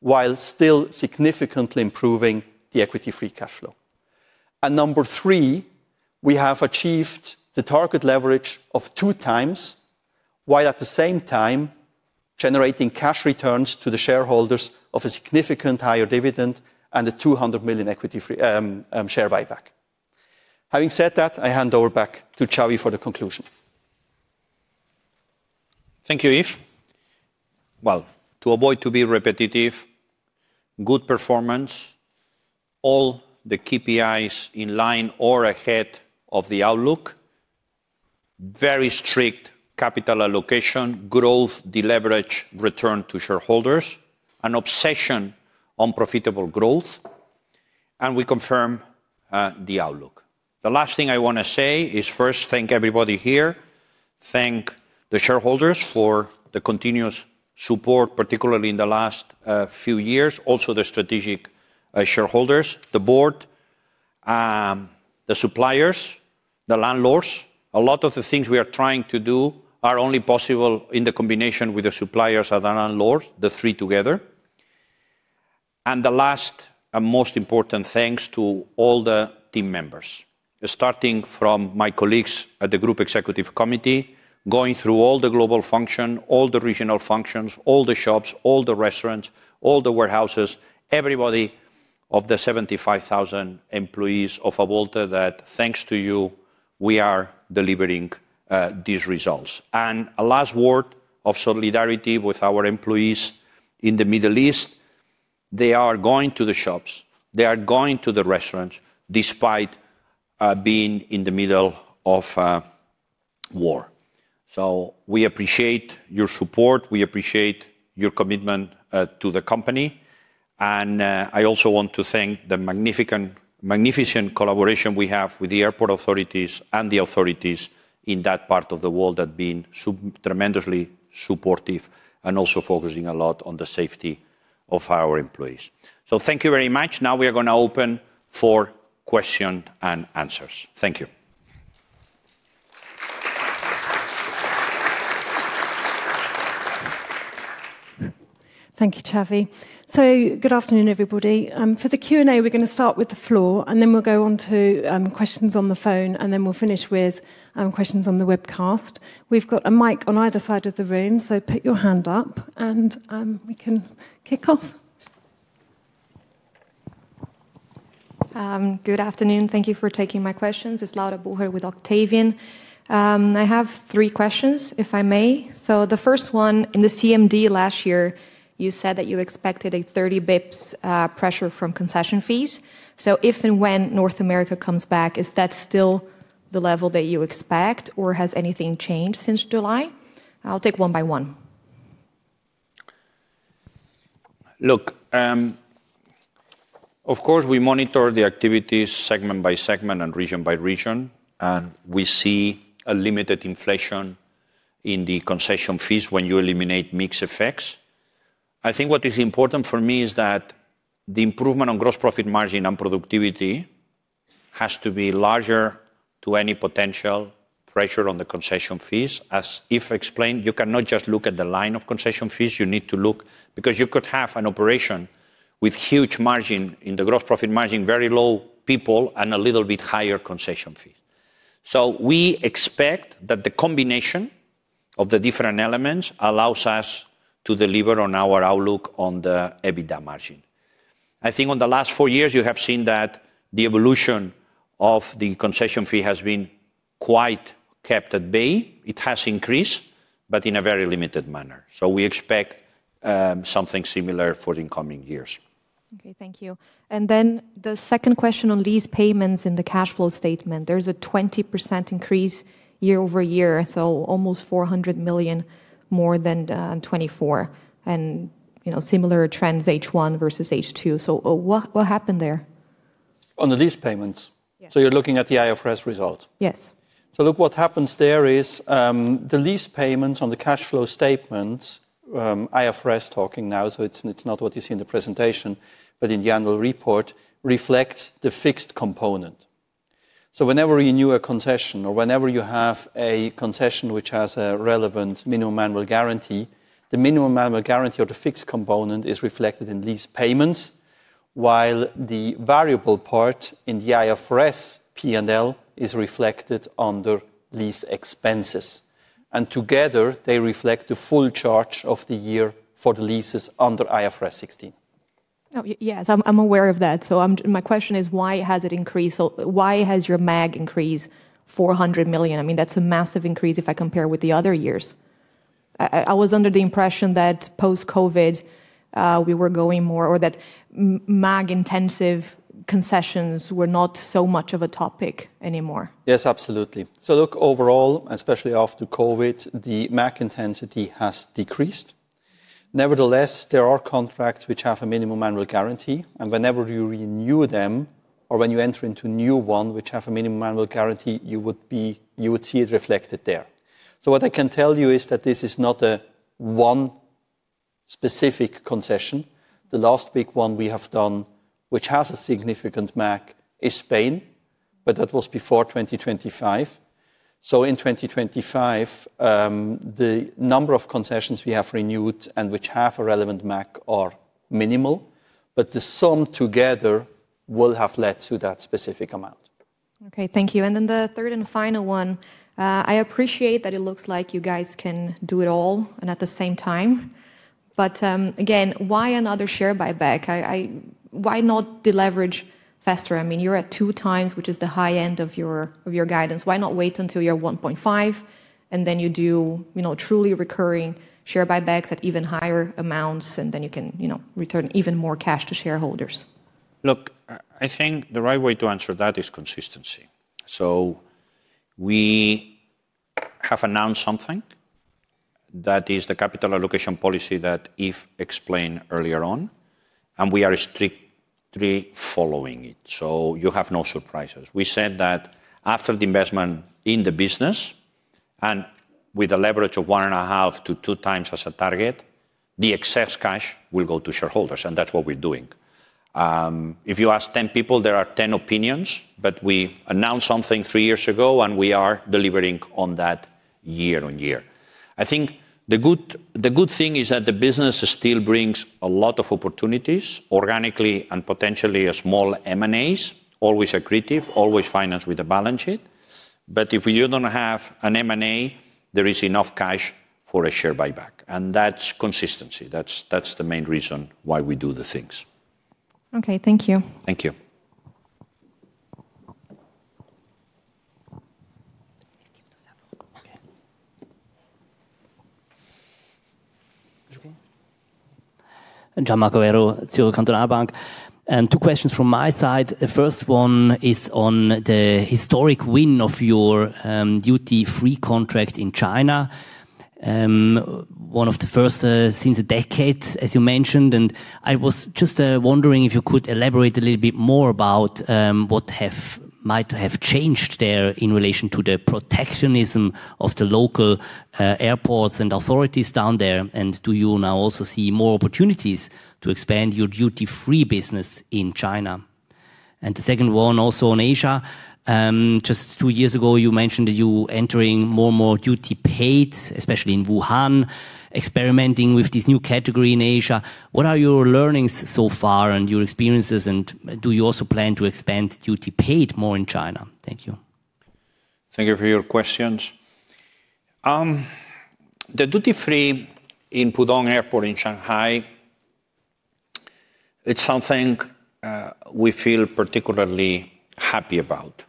while still significantly improving the equity free cash flow. Number three, we have achieved the target leverage of 2x, while at the same time generating cash returns to the shareholders of a significant higher dividend and a 200 million equity free share buyback. Having said that, I hand over back to Xavier for the conclusion. Thank you, Yves. Well, to avoid to be repetitive, good performance, all the KPIs in line or ahead of the outlook. Very strict capital allocation, growth, deleverage, return to shareholders, an obsession on profitable growth, and we confirm the outlook. The last thing I wanna say is first thank everybody here. Thank the shareholders for the continuous support, particularly in the last few years, also the strategic shareholders, the board, the suppliers, the landlords. A lot of the things we are trying to do are only possible in the combination with the suppliers and the landlords, the three together. The last and most important, thanks to all the team members. Starting from my colleagues at the group executive committee, going through all the global function, all the regional functions, all the shops, all the restaurants, all the warehouses, everybody of the 75,000 employees of Avolta that thanks to you, we are delivering these results. A last word of solidarity with our employees in the Middle East. They are going to the shops, they are going to the restaurants despite being in the middle of war. We appreciate your support, we appreciate your commitment to the company. I also want to thank the magnificent collaboration we have with the airport authorities and the authorities in that part of the world have been tremendously supportive and also focusing a lot on the safety of our employees. Thank you very much. Now we are gonna open for question and answers. Thank you. Thank you, Xavier. Good afternoon, everybody. For the Q&A, we're gonna start with the floor, and then we'll go on to questions on the phone, and then we'll finish with questions on the webcast. We've got a mic on either side of the room, so put your hand up and we can kick off. Good afternoon. Thank you for taking my questions. It's Laura Bucher with Octavian. I have three questions, if I may. The first one, in the CMD last year, you said that you expected a 30 basis points pressure from concession fees. If and when North America comes back, is that still the level that you expect, or has anything changed since July? I'll take one by one. Look, of course, we monitor the activities segment by segment and region by region, and we see a limited inflation in the concession fees when you eliminate mixed effects. I think what is important for me is that the improvement on gross profit margin and productivity has to be larger to any potential pressure on the concession fees. As Yves explained, you cannot just look at the line of concession fees, you need to look. Because you could have an operation with huge margin in the gross profit margin, very low people, and a little bit higher concession fee. We expect that the combination of the different elements allows us to deliver on our outlook on the EBITDA margin. I think on the last four years, you have seen that the evolution of the concession fee has been quite kept at bay. It has increased, but in a very limited manner. We expect something similar for the incoming years. Okay. Thank you. The second question on lease payments in the cash flow statement, there's a 20% increase year-over-year, so almost CHF 400 million more than in 2024. You know, similar trends H1 versus H2. What happened there? On the lease payments? Yes. You're looking at the IFRS results? Yes. Look, what happens there is, the lease payments on the cash flow statement, IFRS talking now, so it's not what you see in the presentation, but in the annual report, reflects the fixed component. Whenever you renew a concession or whenever you have a concession which has a relevant minimum annual guarantee, the minimum annual guarantee or the fixed component is reflected in lease payments, while the variable part in the IFRS P&L is reflected under lease expenses. Together, they reflect the full charge of the year for the leases under IFRS 16. Yes. I'm aware of that. My question is, why has it increased or why has your MAG increased 400 million? I mean, that's a massive increase if I compare with the other years. I was under the impression that post-COVID, we were going more or that MAG-intensive concessions were not so much of a topic anymore. Yes, absolutely. Look, overall, especially after COVID, the MAG intensity has decreased. Nevertheless, there are contracts which have a minimum annual guarantee, and whenever you renew them, or when you enter into new one which have a minimum annual guarantee, you would see it reflected there. What I can tell you is that this is not a one specific concession. The last big one we have done, which has a significant MAG, is Spain, but that was before uncertain. In uncertain, the number of concessions we have renewed and which have a relevant MAG are minimal, but the sum together will have led to that specific amount. Okay. Thank you. The third and final one. I appreciate that it looks like you guys can do it all and at the same time. Again, why another share buyback? Why not deleverage faster? I mean, you're at 2x, which is the high end of your guidance. Why not wait until you're 1.5, and then you do, you know, truly recurring share buybacks at even higher amounts, and then you can, you know, return even more cash to shareholders? Look, I think the right way to answer that is consistency. We have announced something that is the capital allocation policy that Yves explained earlier on, and we are strictly following it, so you have no surprises. We said that after the investment in the business, and with a leverage of 1.5-2 times as a target, the excess cash will go to shareholders, and that's what we're doing. If you ask 10 people, there are 10 opinions, but we announced something 3 years ago, and we are delivering on that year on year. I think the good thing is that the business still brings a lot of opportunities organically and potentially as small M&As, always accretive, always financed with a balance sheet. If you don't have an M&A, there is enough cash for a share buyback, and that's consistency. That's the main reason why we do the things. Okay, thank you. Thank you. Okay. Gian Marco Werro, Zürcher Kantonalbank. Two questions from my side. The first one is on the historic win of your duty-free contract in China. One of the first in a decade, as you mentioned. I was just wondering if you could elaborate a little bit more about what might have changed there in relation to the protectionism of the local airports and authorities down there. Do you now also see more opportunities to expand your duty-free business in China? The second one also on Asia. Just two years ago, you mentioned you entering more and more duty paid, especially in Wuhan, experimenting with this new category in Asia. What are your learnings so far and your experiences? Do you also plan to expand duty paid more in China? Thank you. Thank you for your questions. The duty-free in Pudong Airport in Shanghai, it's something we feel particularly happy about.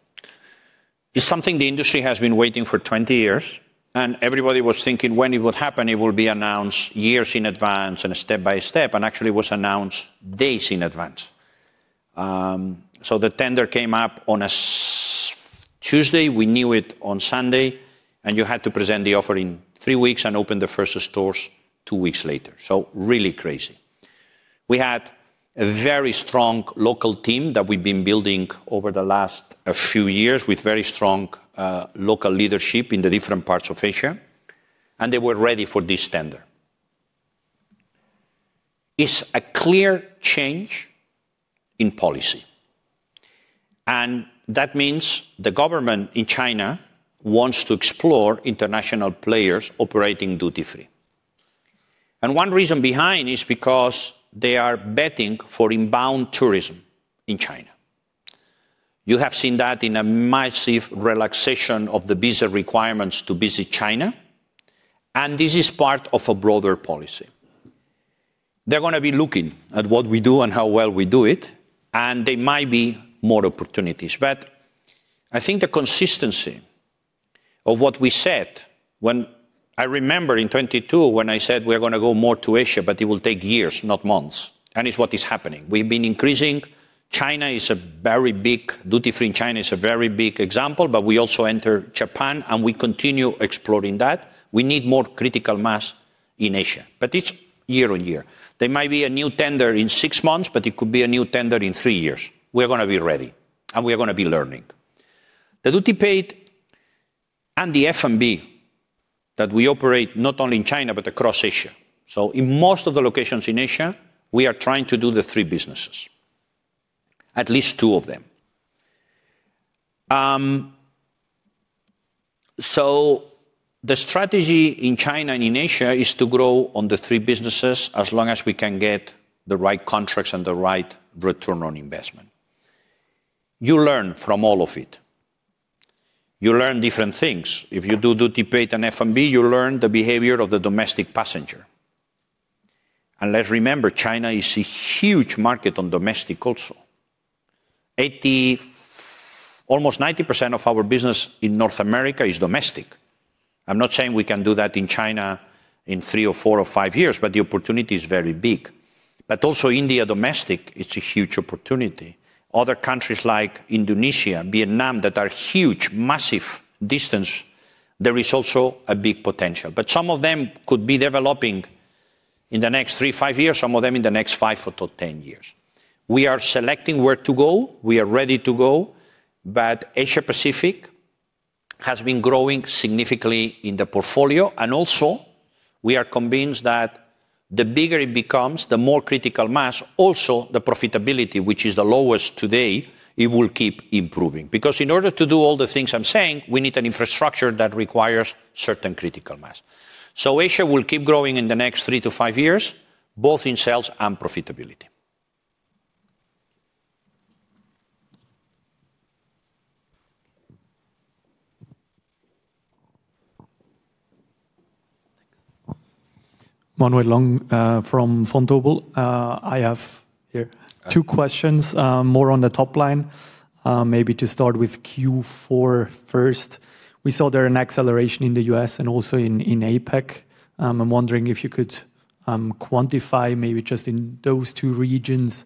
It's something the industry has been waiting for 20 years, and everybody was thinking when it would happen, it will be announced years in advance and step by step, and actually it was announced days in advance. The tender came up on a Tuesday. We knew it on Sunday, and you had to present the offer in 3 weeks and open the first stores 2 weeks later. Really crazy. We had a very strong local team that we've been building over the last few years with very strong local leadership in the different parts of Asia, and they were ready for this tender. It's a clear change in policy, and that means the government in China wants to explore international players operating duty-free. One reason behind is because they are betting for inbound tourism in China. You have seen that in a massive relaxation of the visa requirements to visit China, and this is part of a broader policy. They're gonna be looking at what we do and how well we do it, and there might be more opportunities. I think the consistency of what we said. I remember in 2022 when I said we're gonna go more to Asia, but it will take years, not months. It's what is happening. We've been increasing. China is a very big duty-free. China is a very big example. We also enter Japan, and we continue exploring that. We need more critical mass in Asia. It's year-on-year. There might be a new tender in six months, but it could be a new tender in three years. We're gonna be ready, and we're gonna be learning. The duty paid and the F&B that we operate not only in China, but across Asia. In most of the locations in Asia, we are trying to do the three businesses. At least two of them. The strategy in China and in Asia is to grow on the three businesses as long as we can get the right contracts and the right return on investment. You learn from all of it. You learn different things. If you do duty paid and F&B, you learn the behavior of the domestic passenger. Let's remember, China is a huge market on domestic also. 80, almost 90% of our business in North America is domestic. I'm not saying we can do that in China in 3 or 4 or 5 years, but the opportunity is very big. Also India domestic, it's a huge opportunity. Other countries like Indonesia and Vietnam that are huge, massive distance, there is also a big potential. Some of them could be developing in the next 3, 5 years, some of them in the next 5 to 10 years. We are selecting where to go. We are ready to go. Asia-Pacific has been growing significantly in the portfolio. Also, we are convinced that the bigger it becomes, the more critical mass, also the profitability, which is the lowest today, it will keep improving. Because in order to do all the things I'm saying, we need an infrastructure that requires certain critical mass. Asia will keep growing in the next 3-5 years, both in sales and profitability. Pascal Lang from Vontobel. I have here two questions, more on the top line, maybe to start with Q4 first. We saw there an acceleration in the US and also in APAC. I'm wondering if you could quantify maybe just in those two regions,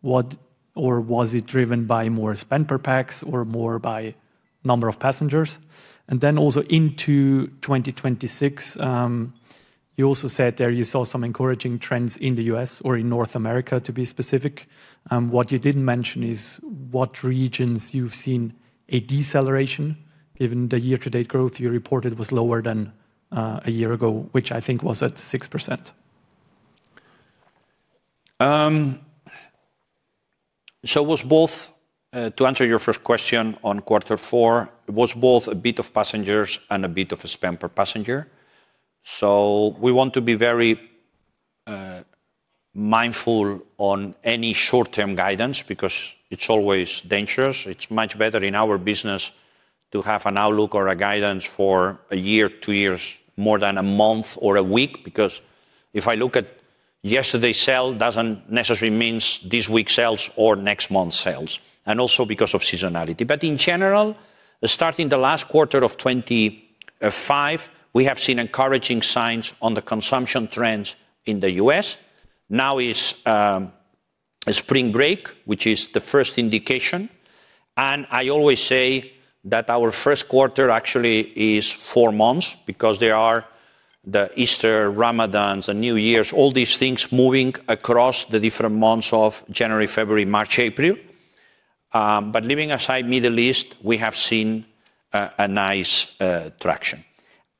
what or was it driven by more spend per pax or more by number of passengers? Also into 2026, you also said there you saw some encouraging trends in the US or in North America, to be specific. What you didn't mention is what regions you've seen a deceleration, given the year-to-date growth you reported was lower than a year ago, which I think was at 6%. It was both, to answer your first question on quarter four, it was both a bit of passengers and a bit of a spend per passenger. We want to be very mindful on any short-term guidance because it's always dangerous. It's much better in our business to have an outlook or a guidance for a year, two years, more than a month or a week. Because if I look at yesterday's sales, doesn't necessarily means this week's sales or next month's sales, and also because of seasonality. In general, starting the last quarter of uncertain, we have seen encouraging signs on the consumption trends in the US. Now is spring break, which is the first indication. I always say that our first quarter actually is four months because there are the Easter, Ramadan, and New Year's, all these things moving across the different months of January, February, March, April. But leaving aside Middle East, we have seen a nice traction.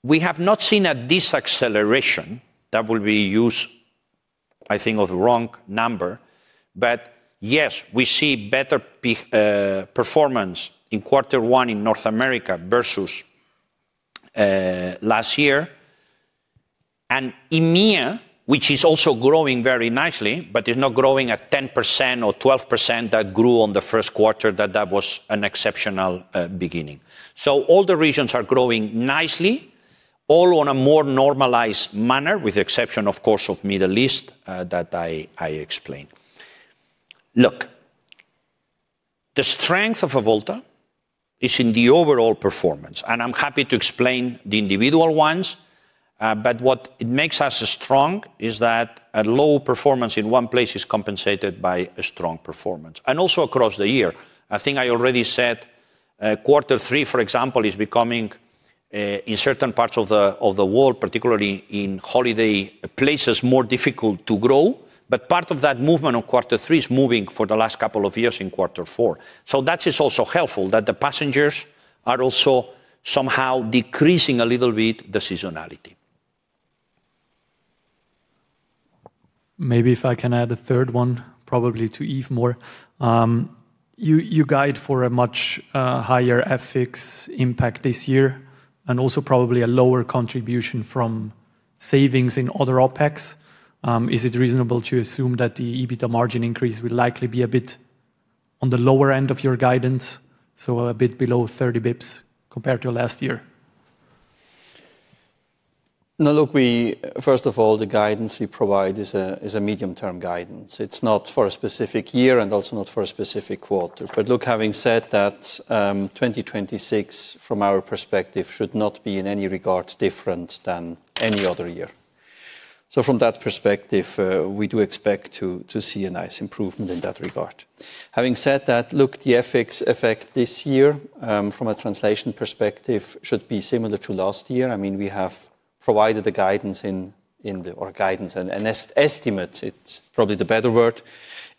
We have not seen a deceleration that will be used, I think, as the wrong number. But yes, we see better performance in quarter one in North America versus last year. EMEA, which is also growing very nicely, but is not growing at 10% or 12% that we grew in the first quarter, that was an exceptional beginning. All the regions are growing nicely, all on a more normalized manner, with the exception, of course, of Middle East that I explained. Look, the strength of Avolta is in the overall performance, and I'm happy to explain the individual ones. What it makes us strong is that a low performance in one place is compensated by a strong performance, and also across the year. I think I already said, quarter three, for example, is becoming in certain parts of the world, particularly in holiday places, more difficult to grow. Part of that movement of quarter three is moving for the last couple of years in quarter four. That is also helpful that the passengers are also somehow decreasing a little bit the seasonality. Maybe if I can add a third one, probably to Yves more. You guide for a much higher FX impact this year and also probably a lower contribution from savings in other OpEx. Is it reasonable to assume that the EBITDA margin increase will likely be a bit on the lower end of your guidance, so a bit below 30 basis points compared to last year? Now, look, first of all, the guidance we provide is a medium-term guidance. It's not for a specific year and also not for a specific quarter. Look, having said that, 2026, from our perspective, should not be in any regard different than any other year. From that perspective, we do expect to see a nice improvement in that regard. Having said that, look, the FX effect this year, from a translation perspective, should be similar to last year. I mean, we have provided the guidance or estimate, it's probably the better word,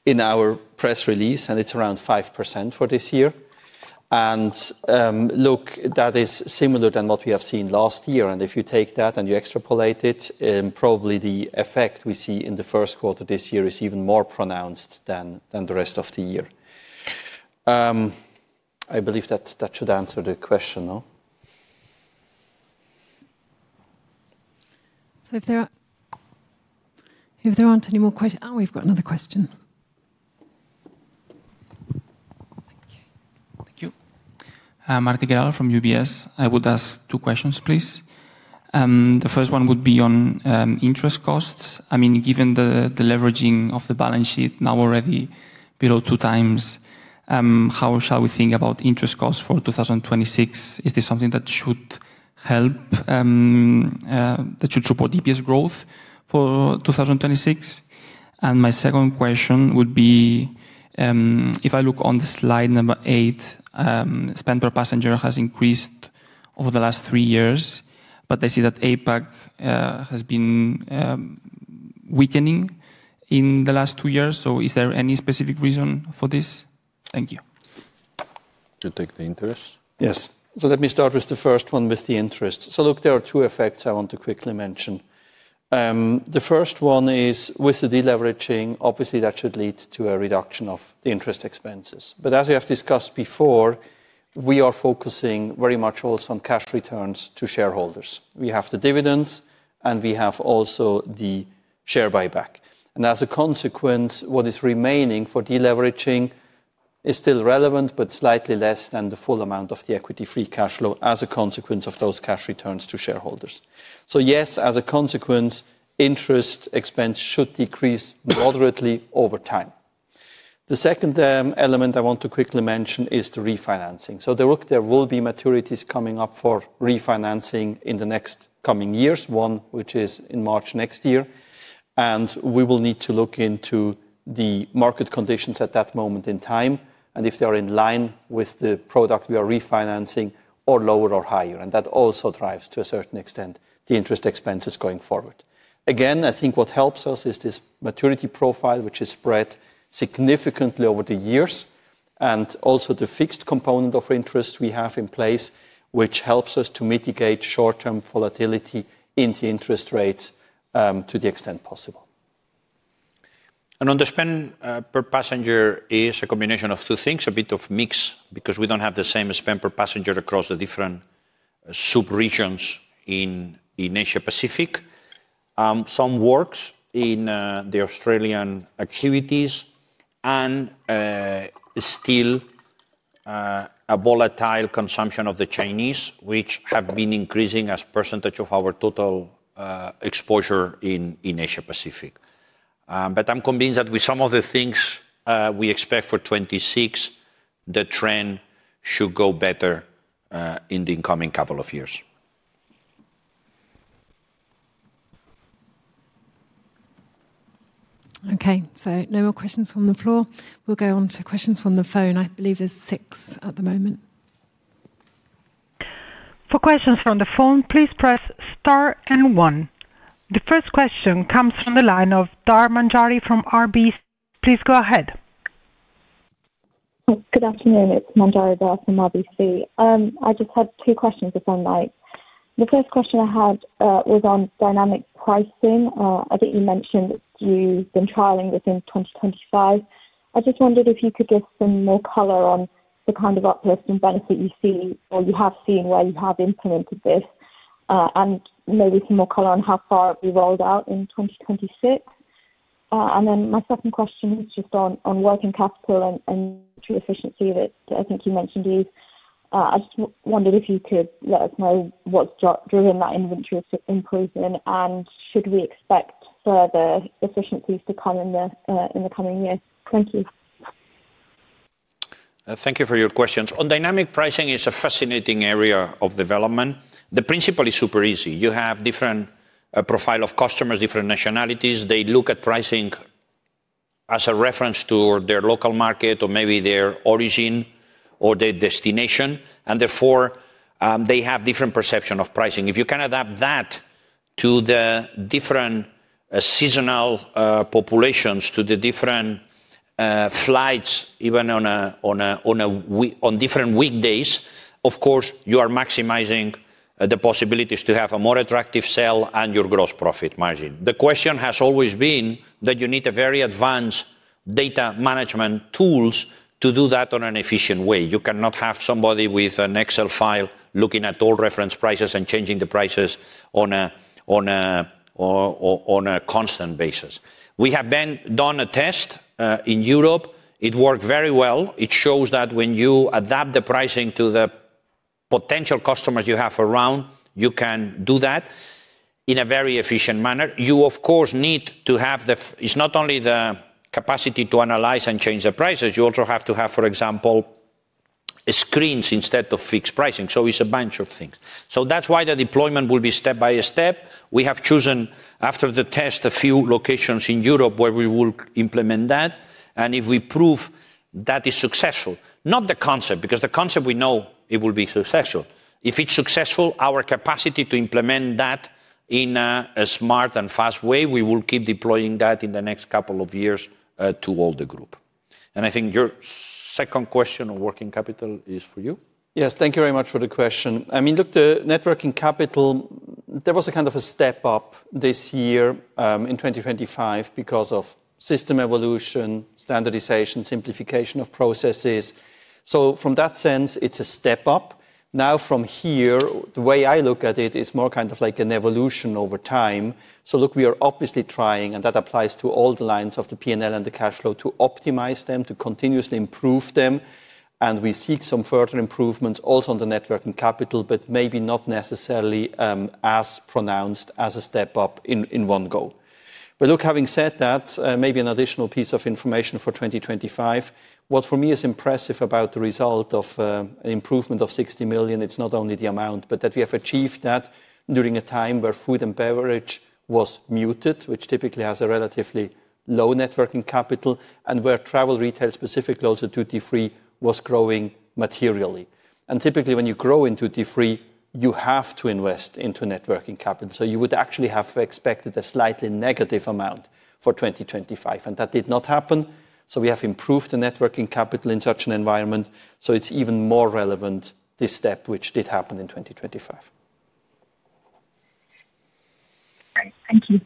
in our press release, and it's around 5% for this year. Look, that is similar to what we have seen last year. If you take that and you extrapolate it, probably the effect we see in the first quarter this year is even more pronounced than the rest of the year. I believe that should answer the question, no? If there aren't any more questions. Oh, we've got another question. Thank you. Martin Guerra from UBS. I would ask two questions, please. The first one would be on interest costs. I mean, given the leveraging of the balance sheet now already below 2 times, how shall we think about interest costs for 2026? Is this something that should help that should support DPS growth for 2026? And my second question would be, if I look on the slide number 8, spend per passenger has increased over the last 3 years, but I see that APAC has been weakening in the last 2 years. Is there any specific reason for this? Thank you. You take the interest. Yes. Let me start with the first one, with the interest. Look, there are two effects I want to quickly mention. The first one is with the deleveraging, obviously that should lead to a reduction of the interest expenses. As we have discussed before, we are focusing very much also on cash returns to shareholders. We have the dividends, and we have also the share buyback. As a consequence, what is remaining for deleveraging is still relevant, but slightly less than the full amount of the equity-free cash flow as a consequence of those cash returns to shareholders. Yes, as a consequence, interest expense should decrease moderately over time. The second element I want to quickly mention is the refinancing. Look, there will be maturities coming up for refinancing in the next coming years, one which is in March next year. We will need to look into the market conditions at that moment in time and if they are in line with the product we are refinancing or lower or higher. That also drives, to a certain extent, the interest expenses going forward. Again, I think what helps us is this maturity profile, which is spread significantly over the years, and also the fixed component of interest we have in place, which helps us to mitigate short-term volatility into interest rates, to the extent possible. On the spend per passenger is a combination of two things, a bit of mix, because we don't have the same spend per passenger across the different sub-regions in Asia Pacific. Some weakness in the Australian activities and still a volatile consumption of the Chinese, which have been increasing as a percentage of our total exposure in Asia Pacific. I'm convinced that with some of the things we expect for 2026, the trend should go better in the coming couple of years. Okay, no more questions from the floor. We'll go on to questions from the phone. I believe there's 6 at the moment. For questions from the phone, please press star and one. The first question comes from the line of Manjari Dhar from RBC. Please go ahead. Good afternoon. It's Manjari Dhar from RBC. I just had two questions if I might. The first question I had was on dynamic pricing. I think you mentioned you've been trialing this in uncertain. I just wondered if you could give some more color on the kind of uplifting benefit you see or you have seen where you have implemented this, and maybe some more color on how far it will be rolled out in 2026. My second question is just on working capital and true efficiency that I think you mentioned. I just wondered if you could let us know what's driven that inventory improvement, and should we expect further efficiencies to come in the coming year? Thank you. Thank you for your questions. On dynamic pricing, it's a fascinating area of development. The principle is super easy. You have different profile of customers, different nationalities. They look at pricing as a reference to their local market or maybe their origin or their destination, and therefore, they have different perception of pricing. If you can adapt that to the different seasonal populations, to the different flights, even on different weekdays, of course, you are maximizing the possibilities to have a more attractive sale and your gross profit margin. The question has always been that you need a very advanced data management tools to do that on an efficient way. You cannot have somebody with an Excel file looking at all reference prices and changing the prices on a constant basis. We have done a test in Europe. It worked very well. It shows that when you adapt the pricing to the potential customers you have around, you can do that in a very efficient manner. You of course need to have. It's not only the capacity to analyze and change the prices. You also have to have, for example, screens instead of fixed pricing. It's a bunch of things. That's why the deployment will be step by step. We have chosen, after the test, a few locations in Europe where we will implement that. If we prove that is successful, not the concept, because the concept we know it will be successful. If it's successful, our capacity to implement that in a smart and fast way, we will keep deploying that in the next couple of years to all the group. I think your second question on working capital is for you. Yes. Thank you very much for the question. I mean, look, the net working capital, there was a kind of a step-up this year, in uncertain because of system evolution, standardization, simplification of processes. From that sense, it's a step-up. Now from here, the way I look at it is more kind of like an evolution over time. Look, we are obviously trying, and that applies to all the lines of the P&L and the cash flow to optimize them, to continuously improve them. We seek some further improvements also on the net working capital, but maybe not necessarily, as pronounced as a step-up in one go. Look, having said that, maybe an additional piece of information for uncertain. What for me is impressive about the result of an improvement of 60 million, it's not only the amount, but that we have achieved that during a time where food and beverage was muted, which typically has a relatively low net working capital, and where travel retail, specifically also duty-free, was growing materially. Typically, when you grow in duty-free, you have to invest into net working capital. You would actually have expected a slightly negative amount for uncertain, and that did not happen. We have improved the net working capital in such an environment, so it's even more relevant, this step, which did happen in uncertain. Great. Thank you.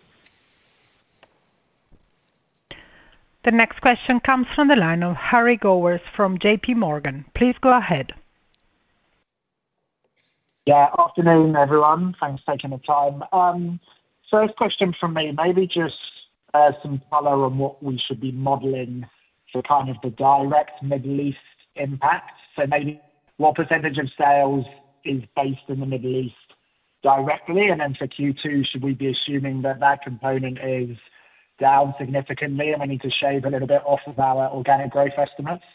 The next question comes from the line of Harry Gowers from JPMorgan. Please go ahead. Yeah. Afternoon, everyone. Thanks for taking the time. First question from me, maybe just some follow on what we should be modeling for kind of the direct Middle East impact. Maybe what percentage of sales is based in the Middle East directly? Then for Q2, should we be assuming that that component is down significantly and we need to shave a little bit off of our organic growth estimates?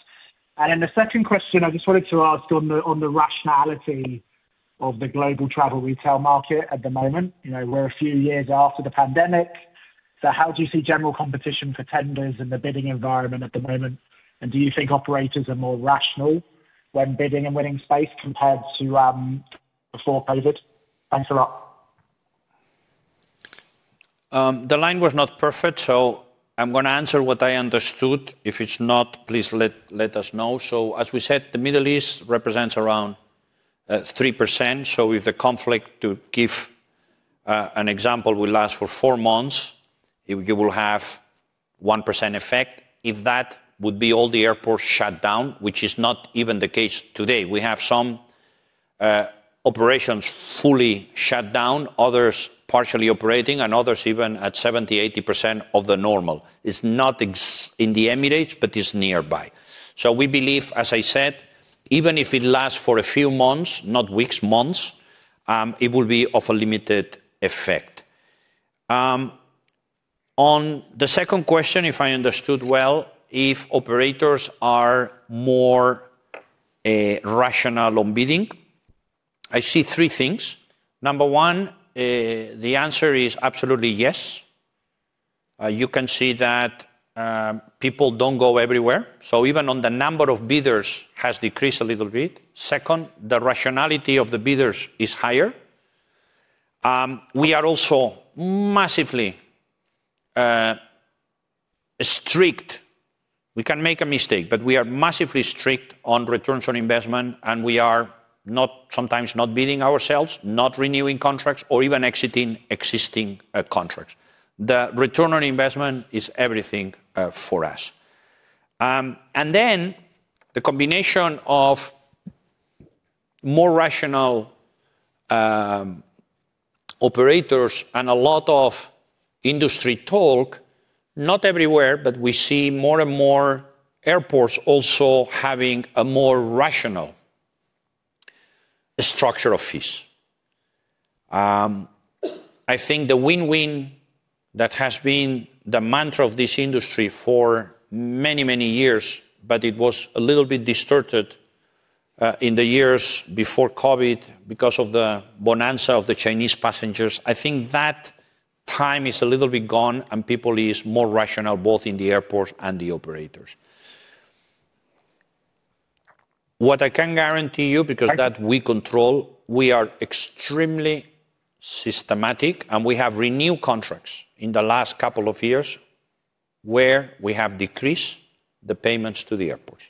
Then the second question, I just wanted to ask on the rationality of the global travel retail market at the moment. You know, we're a few years after the pandemic, so how do you see general competition for tenders in the bidding environment at the moment? Do you think operators are more rational when bidding and winning space compared to before COVID? Thanks a lot. The line was not perfect, so I'm gonna answer what I understood. If it's not, please let us know. As we said, the Middle East represents around 3%. If the conflict, to give an example, will last for 4 months, you will have 1% effect. If that would be all the airports shut down, which is not even the case today. We have some operations fully shut down, others partially operating, and others even at 70, 80% of the normal. It's not in the Emirates, but it's nearby. We believe, as I said, even if it lasts for a few months, not weeks, months, it will be of a limited effect. On the second question, if I understood well, if operators are more rational on bidding. I see three things. 1, the answer is absolutely yes. You can see that people don't go everywhere. Even the number of bidders has decreased a little bit. 2, the rationality of the bidders is higher. We are also massively strict. We can make a mistake, but we are massively strict on return on investment, and we are sometimes not bidding ourselves, not renewing contracts or even exiting existing contracts. The return on investment is everything for us. Then the combination of more rational operators and a lot of industry talk, not everywhere, but we see more and more airports also having a more rational structure of fees. I think the win-win that has been the mantra of this industry for many, many years, but it was a little bit distorted in the years before COVID because of the bonanza of the Chinese passengers. I think that time is a little bit gone and people is more rational, both in the airports and the operators. What I can guarantee you, because that we control, we are extremely systematic, and we have renewed contracts in the last couple of years where we have decreased the payments to the airports.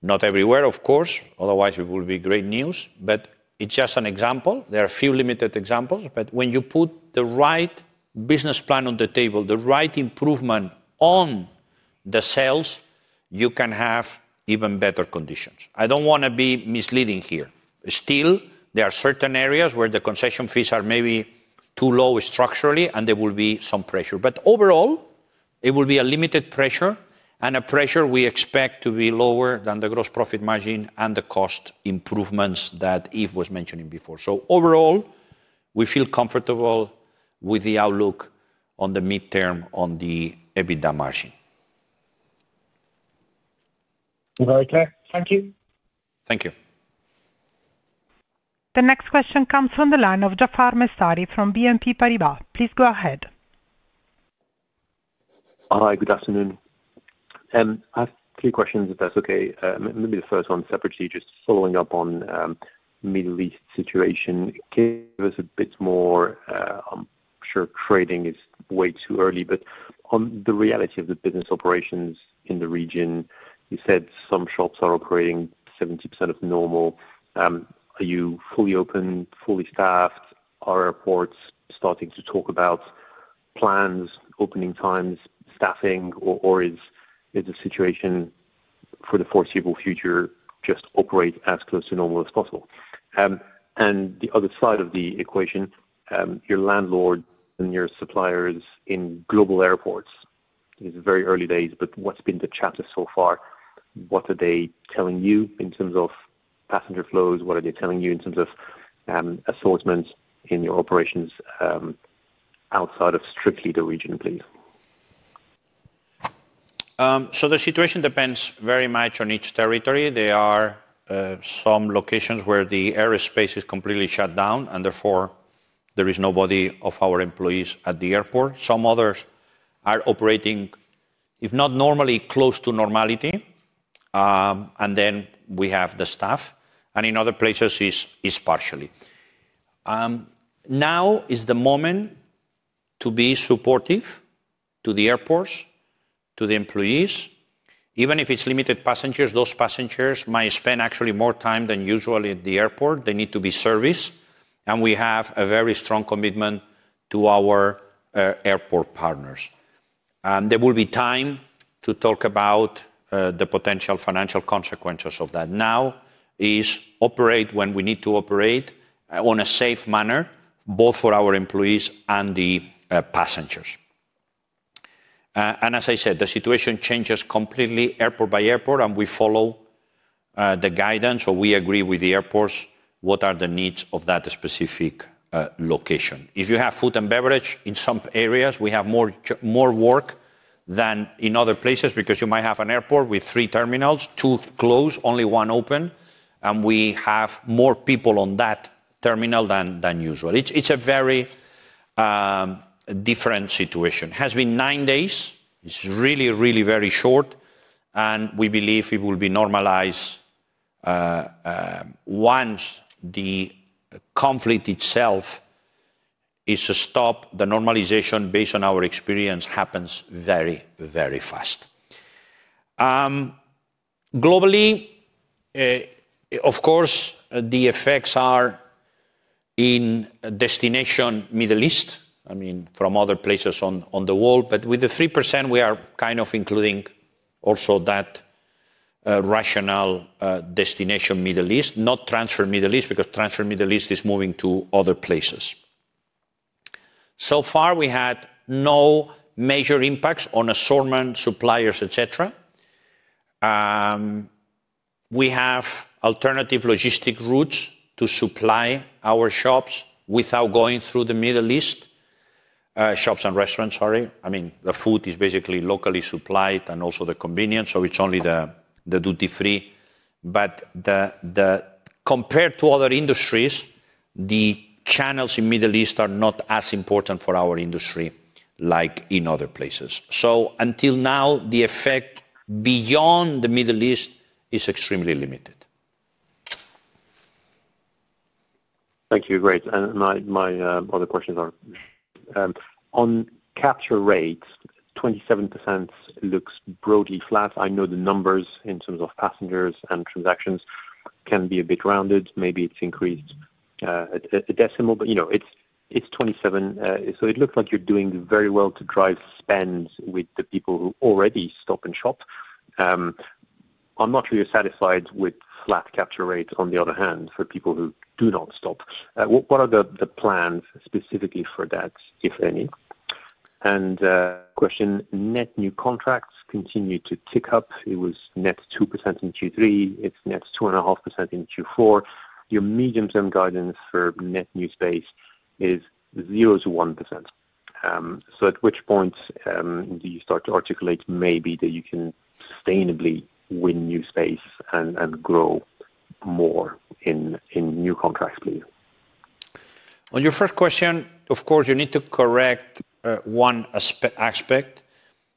Not everywhere, of course, otherwise it would be great news, but it's just an example. There are few limited examples, but when you put the right business plan on the table, the right improvement on the sales, you can have even better conditions. I don't wanna be misleading here. Still, there are certain areas where the concession fees are maybe too low structurally and there will be some pressure. Overall, it will be a limited pressure and a pressure we expect to be lower than the gross profit margin and the cost improvements that Yves was mentioning before. Overall, we feel comfortable with the outlook on the midterm on the EBITDA margin. Very clear. Thank you. Thank you. The next question comes from the line of Jaafar Mestari from BNP Paribas. Please go ahead. Hi, good afternoon. I have three questions, if that's okay. Maybe the first one separately, just following up on Middle East situation. Can you give us a bit more? I'm sure trading is way too early, but on the reality of the business operations in the region, you said some shops are operating 70% of normal. Are you fully open, fully staffed? Are airports starting to talk about plans, opening times, staffing, or is the situation for the foreseeable future just operate as close to normal as possible? The other side of the equation, your landlord and your suppliers in global airports. It's very early days, but what's been the chatter so far? What are they telling you in terms of passenger flows? What are they telling you in terms of, assortments in your operations, outside of strictly the region, please? The situation depends very much on each territory. There are some locations where the aerospace is completely shut down, and therefore there is nobody of our employees at the airport. Some others are operating, if not normally, close to normality, and then we have the staff, and in other places is partially. Now is the moment to be supportive to the airports, to the employees. Even if it's limited passengers, those passengers might spend actually more time than usual at the airport. They need to be serviced, and we have a very strong commitment to our airport partners. There will be time to talk about the potential financial consequences of that. Now is operate when we need to operate on a safe manner, both for our employees and the passengers. As I said, the situation changes completely airport by airport, and we follow the guidance or we agree with the airports what are the needs of that specific location. If you have food and beverage in some areas, we have more work than in other places, because you might have an airport with three terminals, two closed, only one open, and we have more people on that terminal than usual. It's a very different situation. It has been nine days. It's really very short, and we believe it will be normalized once the conflict itself is stopped, the normalization based on our experience happens very fast. Globally, of course, the effects are in destination Middle East, I mean, from other places on the world. With the 3% we are kind of including also that rationale, destination Middle East, not transfer Middle East, because transfer Middle East is moving to other places. So far, we had no major impacts on assortment, suppliers, et cetera. We have alternative logistics routes to supply our shops without going through the Middle East. Shops and restaurants, sorry. I mean, the food is basically locally supplied and also the convenience, so it's only the duty-free. Compared to other industries, the channels in Middle East are not as important for our industry like in other places. Until now, the effect beyond the Middle East is extremely limited. Thank you. Great. My other questions are on capture rates, 27% looks broadly flat. I know the numbers in terms of passengers and transactions can be a bit rounded. Maybe it's increased a decimal, but you know, it's 27. So it looks like you're doing very well to drive spend with the people who already stop and shop. I'm not sure you're satisfied with flat capture rates on the other hand, for people who do not stop. What are the plans specifically for that, if any? Question, net new contracts continue to tick up. It was net 2% in Q3. It's net 2.5% in Q4. Your medium-term guidance for net new space is 0%-1%. At which point, do you start to articulate maybe that you can sustainably win new space and grow more in new contracts, please? On your first question, of course, you need to correct one aspect,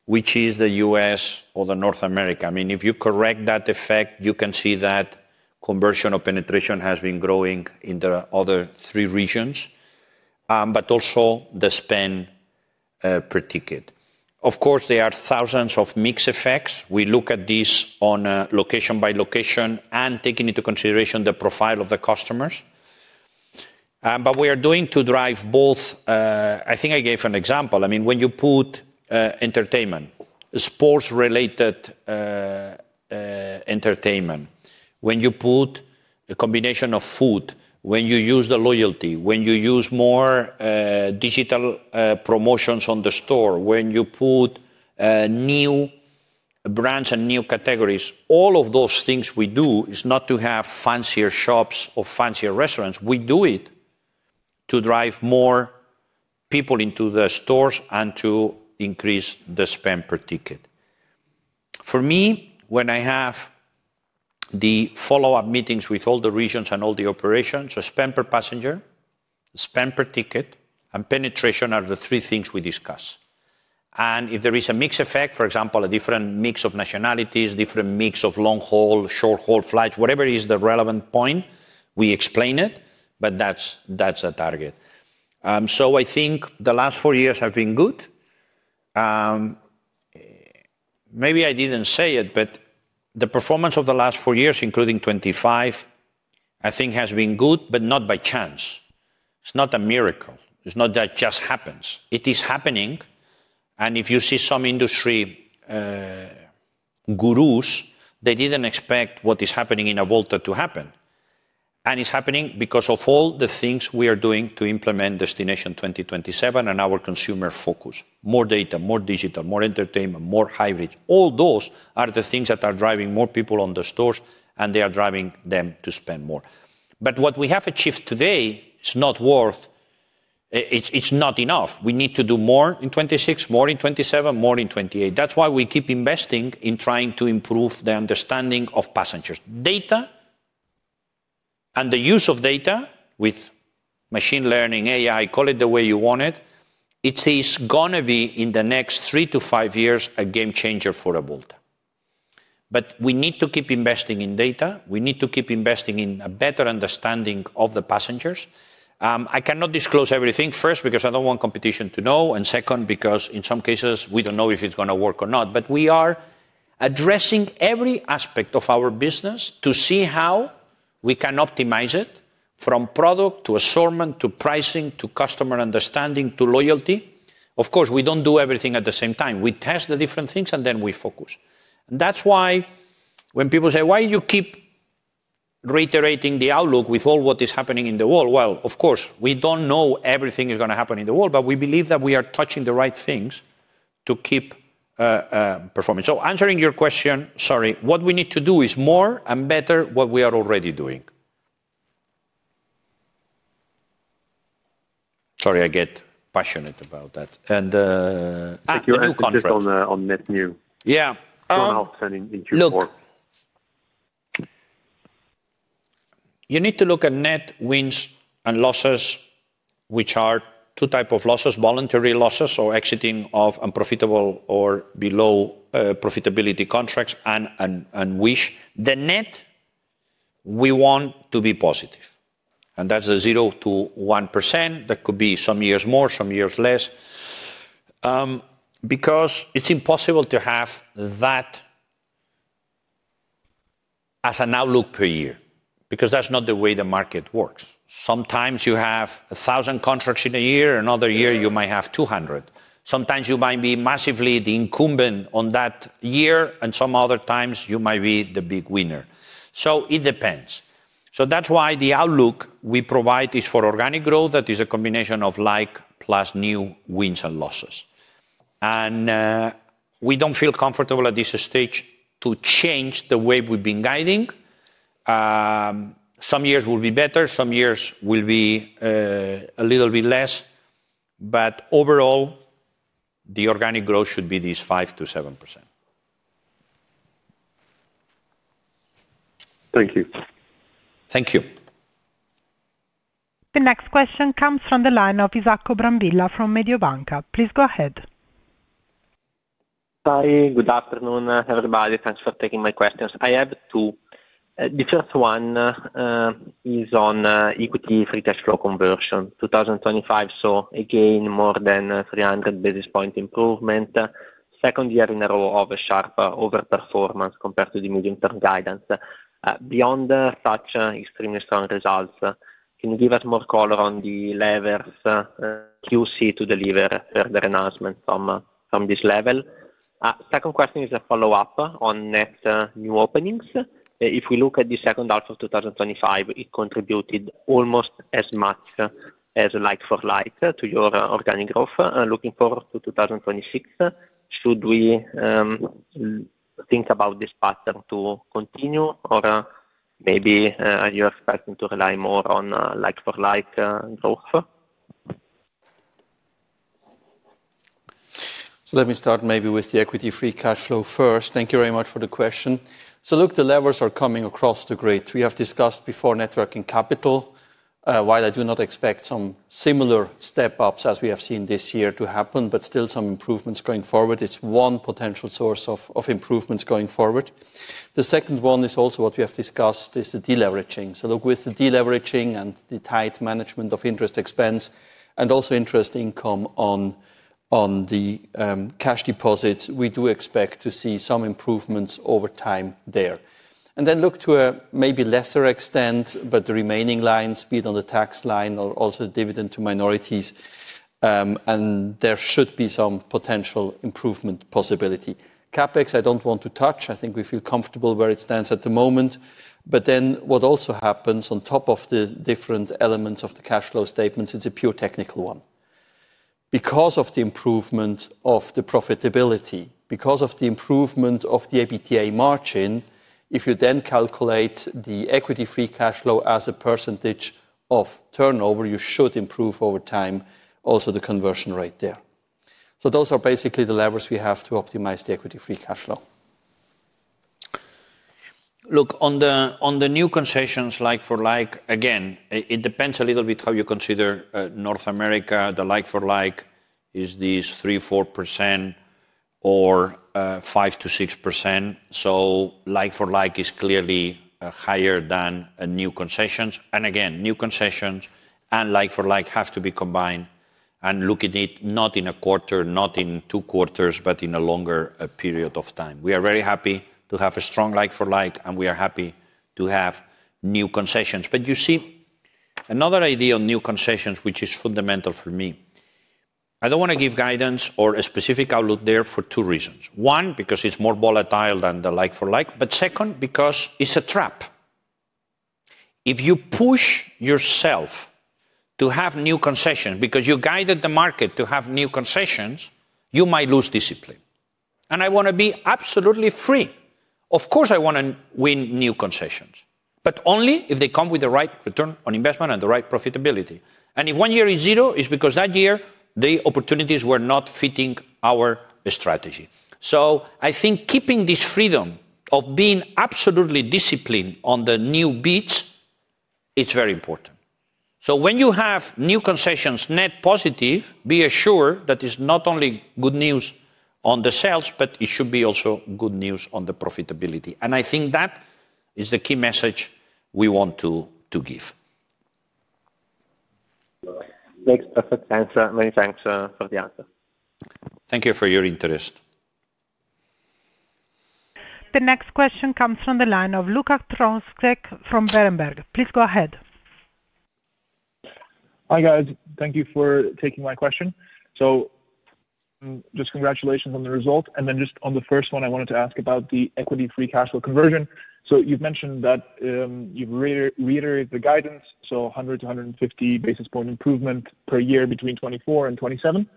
which is the US or the North America. I mean, if you correct that effect, you can see that conversion of penetration has been growing in the other three regions, but also the spend per ticket. Of course, there are thousands of mix effects. We look at this on a location by location and taking into consideration the profile of the customers. But we are doing to drive both. I think I gave an example. I mean, when you put entertainment, sports-related entertainment, when you put a combination of food, when you use the loyalty, when you use more digital promotions on the store, when you put a new branch and new categories, all of those things we do is not to have fancier shops or fancier restaurants. We do it to drive more people into the stores and to increase the spend per ticket. For me, when I have the follow-up meetings with all the regions and all the operations, so spend per passenger, spend per ticket, and penetration are the three things we discuss. If there is a mix effect, for example, a different mix of nationalities, different mix of long-haul, short-haul flights, whatever is the relevant point. We explain it, but that's our target. I think the last four years have been good. Maybe I didn't say it, but the performance of the last four years, including uncertain, I think has been good, but not by chance. It's not a miracle. It's not that just happens. It is happening. If you see some industry gurus, they didn't expect what is happening in Avolta to happen. It's happening because of all the things we are doing to implement Destination 2027 and our consumer focus. More data, more digital, more entertainment, more hybrid. All those are the things that are driving more people into the stores, and they are driving them to spend more. What we have achieved today is not enough. We need to do more in 2026, more in 2027, more in 2028. That's why we keep investing in trying to improve the understanding of passengers. Data and the use of data with machine learning, AI, call it the way you want it is gonna be, in the next 3-5 years, a game changer for Avolta. We need to keep investing in data. We need to keep investing in a better understanding of the passengers. I cannot disclose everything, first, because I don't want competition to know, and second, because in some cases, we don't know if it's gonna work or not. We are addressing every aspect of our business to see how we can optimize it from product to assortment to pricing to customer understanding to loyalty. Of course, we don't do everything at the same time. We test the different things, and then we focus. That's why when people say, "Why you keep reiterating the outlook with all what is happening in the world?" Well, of course, we don't know everything is gonna happen in the world, but we believe that we are touching the right things to keep performing. Answering your question, sorry, what we need to do is more and better what we are already doing. Sorry, I get passionate about that. Take your answer just on net new. Yeah. 100% in Q4. Look, you need to look at net wins and losses, which are two types of losses, voluntary losses or exiting of unprofitable or below profitability contracts and wins. The net we want to be positive, and that's a 0%-1%. That could be some years more, some years less. Because it's impossible to have that as an outlook per year, because that's not the way the market works. Sometimes you have 1,000 contracts in a year, another year you might have 200. Sometimes you might be massively the incumbent on that year, and some other times you might be the big winner. It depends. That's why the outlook we provide is for organic growth. That is a combination of like-for-like plus new wins and losses. We don't feel comfortable at this stage to change the way we've been guiding. Some years will be better, some years will be a little bit less. Overall, the organic growth should be this 5%-7%. Thank you. Thank you. The next question comes from the line of Isacco Brambilla from Mediobanca. Please go ahead. Hi, good afternoon, everybody. Thanks for taking my questions. I have two. The first one is on equity free cash flow conversion. uncertain, so again, more than 300 basis points improvement. Second year in a row of a sharp overperformance compared to the medium-term guidance. Beyond such extremely strong results, can you give us more color on the levers key to deliver further enhancement from this level? Second question is a follow-up on net new openings. If we look at the second half of uncertain, it contributed almost as much as like-for-like to your organic growth. Looking forward to 2026, should we think about this pattern to continue? Or maybe are you expecting to rely more on like-for-like growth? Let me start maybe with the equity free cash flow first. Thank you very much for the question. Look, the levers are coming across the grid. We have discussed before net working capital. While I do not expect some similar step-ups as we have seen this year to happen, but still some improvements going forward. It's one potential source of improvements going forward. The second one is also what we have discussed is the deleveraging. Look, with the deleveraging and the tight management of interest expense and also interest income on the cash deposits, we do expect to see some improvements over time there. Then look to a maybe lesser extent, but the remaining lines, be it on the tax line or also dividend to minorities, and there should be some potential improvement possibility. CapEx, I don't want to touch. I think we feel comfortable where it stands at the moment. What also happens on top of the different elements of the cash flow statements, it's a pure technical one. Because of the improvement of the profitability, because of the improvement of the EBITDA margin, if you then calculate the equity free cash flow as a percentage of turnover, you should improve over time also the conversion rate there. Those are basically the levers we have to optimize the equity free cash flow. Look, on the new concessions like-for-like, again, it depends a little bit how you consider North America. The like-for-like is this 3-4%. Or 5-6%. Like-for-like is clearly higher than new concessions. Again, new concessions and like-for-like have to be combined and look at it not in a quarter, not in two quarters, but in a longer, period of time. We are very happy to have a strong like-for-like, and we are happy to have new concessions. You see, another idea on new concessions, which is fundamental for me, I don't wanna give guidance or a specific outlook there for two reasons. One, because it's more volatile than the like-for-like, but second, because it's a trap. If you push yourself to have new concessions because you guided the market to have new concessions, you might lose discipline. I wanna be absolutely free. Of course, I wanna win new concessions, but only if they come with the right return on investment and the right profitability. If one year is zero, it's because that year, the opportunities were not fitting our strategy. I think keeping this freedom of being absolutely disciplined on the new bids, it's very important. When you have new concessions net positive, be assured that it's not only good news on the sales, but it should be also good news on the profitability. I think that is the key message we want to give. Thanks. Perfect answer. Many thanks, for the answer. Thank you for your interest. The next question comes from the line of Luka Tronscek from Berenberg. Please go ahead. Hi, guys. Thank you for taking my question. Just congratulations on the result. Just on the first one, I wanted to ask about the equity-free cash flow conversion. You've mentioned that, you've reiterated the guidance, so 100 to 150 basis points improvement per year between 2024 and 2027.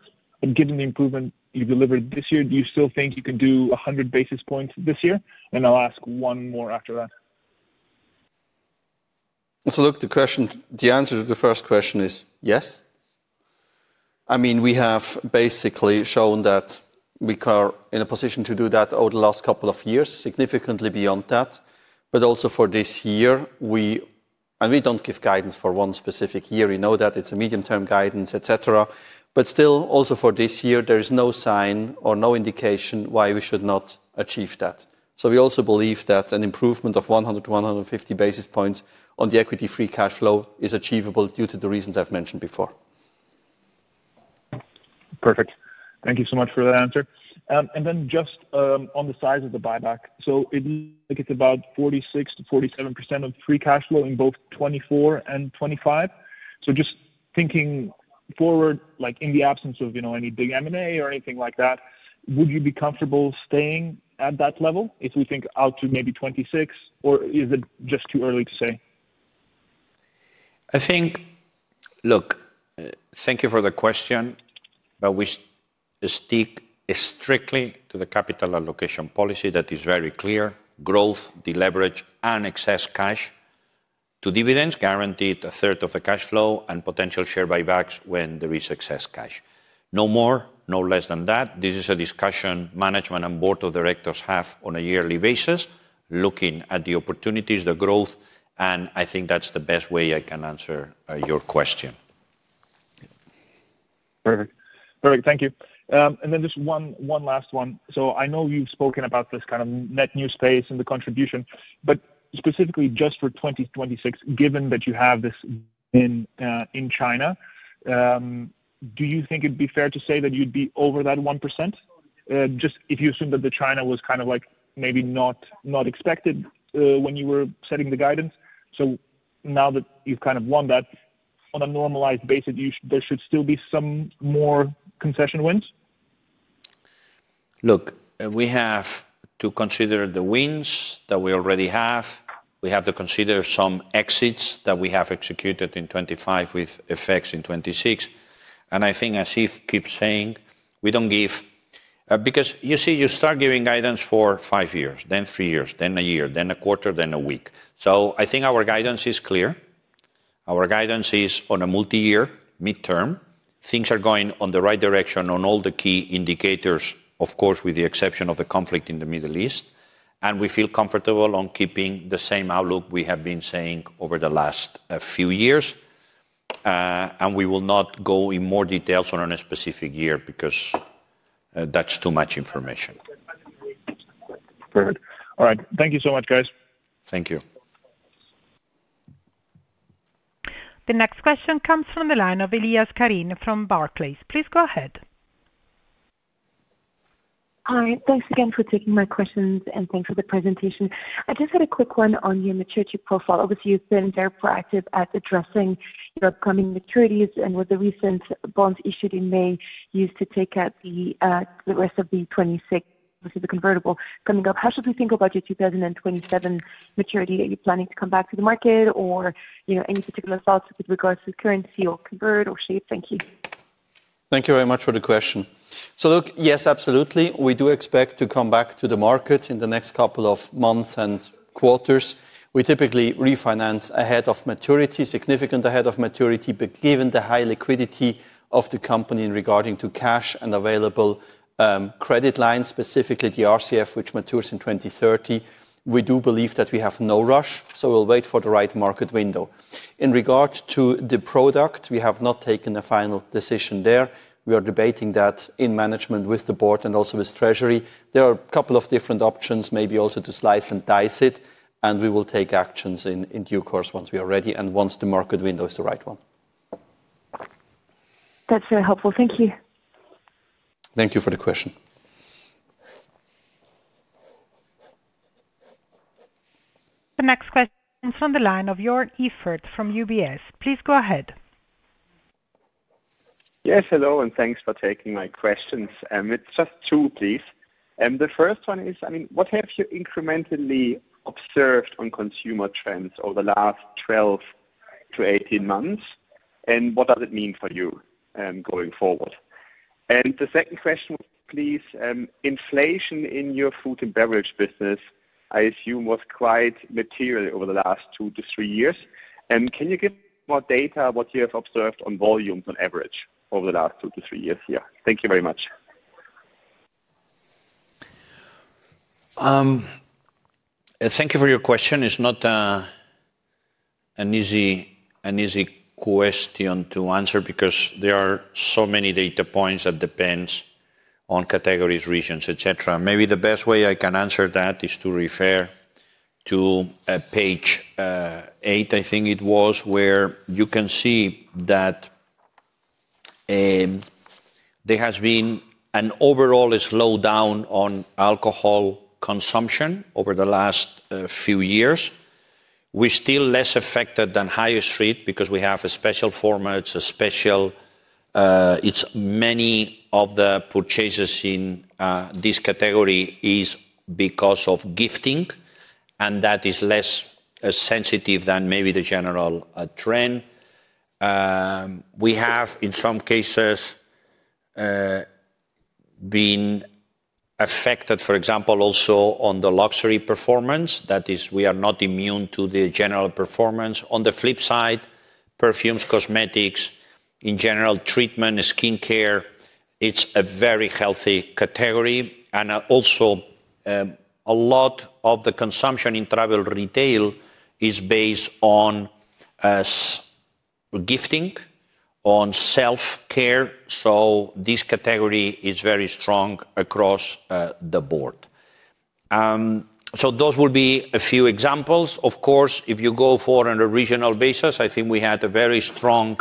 Given the improvement you delivered this year, do you still think you can do 100 basis points this year? I'll ask one more after that. Look, the question, the answer to the first question is yes. I mean, we have basically shown that we are in a position to do that over the last couple of years, significantly beyond that, but also for this year, we don't give guidance for one specific year. We know that it's a medium-term guidance, et cetera. Still, also for this year, there is no sign or no indication why we should not achieve that. We also believe that an improvement of 100 to 150 basis points on the equity-free cash flow is achievable due to the reasons I've mentioned before. Perfect. Thank you so much for that answer. Then just on the size of the buyback. It looks like it's about 46%-47% of free cash flow in both 2024 and uncertain. Just thinking forward, like in the absence of, you know, any big M&A or anything like that, would you be comfortable staying at that level if we think out to maybe 2026, or is it just too early to say? Look, thank you for the question, but we stick strictly to the capital allocation policy that is very clear, growth, deleverage, and excess cash to dividends, guaranteed a third of the cash flow and potential share buybacks when there is excess cash. No more, no less than that. This is a discussion management and board of directors have on a yearly basis, looking at the opportunities, the growth, and I think that's the best way I can answer your question. Perfect. Thank you. Just one last one. I know you've spoken about this kind of net new space and the contribution, but specifically just for 2026, given that you have this win in China, do you think it'd be fair to say that you'd be over that 1%? Just if you assume that the China was kind of like maybe not expected when you were setting the guidance. Now that you've kind of won that, on a normalized basis, there should still be some more concession wins? Look, we have to consider the wins that we already have. We have to consider some exits that we have executed in uncertain with effects in 2026. I think as Yves Gerster keeps saying, we don't give, because you see, you start giving guidance for five years, then three years, then a year, then a quarter, then a week. I think our guidance is clear. Our guidance is on a multi-year midterm. Things are going on the right direction on all the key indicators, of course, with the exception of the conflict in the Middle East, and we feel comfortable on keeping the same outlook we have been saying over the last few years. We will not go in more details on a specific year because that's too much information. Perfect. All right. Thank you so much, guys. Thank you. The next question comes from the line of Carine Elias from Barclays. Please go ahead. Hi. Thanks again for taking my questions, and thanks for the presentation. I just had a quick one on your maturity profile. Obviously, you've been very proactive at addressing your upcoming maturities and with the recent bonds issued in May, you used it to take out the rest of the 2026, this is the convertible coming up. How should we think about your 2027 maturity? Are you planning to come back to the market or, you know, any particular thoughts with regards to currency or convert or shape? Thank you. Thank you very much for the question. Look, yes, absolutely. We do expect to come back to the market in the next couple of months and quarters. We typically refinance ahead of maturity, significant ahead of maturity. Given the high liquidity of the company in regard to cash and available credit lines, specifically the RCF, which matures in 2030, we do believe that we have no rush, so we'll wait for the right market window. In regard to the product, we have not taken a final decision there. We are debating that in management with the board and also with Treasury. There are a couple of different options, maybe also to slice and dice it, and we will take actions in due course once we are ready and once the market window is the right one. That's very helpful. Thank you. Thank you for the question. The next question is on the line of Jörn Iffert from UBS. Please go ahead. Yes, hello, and thanks for taking my questions. It's just 2, please. The first one is, I mean, what have you incrementally observed on consumer trends over the last 12-18 months, and what does it mean for you, going forward? The second question, please, inflation in your food and beverage business, I assume was quite material over the last 2-3 years. Can you give more data what you have observed on volumes on average over the last 2-3 years? Yeah. Thank you very much. Thank you for your question. It's not an easy question to answer because there are so many data points that depends on categories, regions, et cetera. Maybe the best way I can answer that is to refer to page eight, I think it was, where you can see that there has been an overall slowdown on alcohol consumption over the last few years. We're still less affected than high street because we have a special format. It's many of the purchases in this category is because of gifting, and that is less sensitive than maybe the general trend. We have, in some cases, been affected, for example, also on the luxury performance. That is we are not immune to the general performance. On the flip side, perfumes, cosmetics, in general, treatment, skin care, it's a very healthy category. Also, a lot of the consumption in travel retail is based on gifting and self-care. This category is very strong across the board. Those would be a few examples. Of course, if you go on a regional basis, I think we had a very strong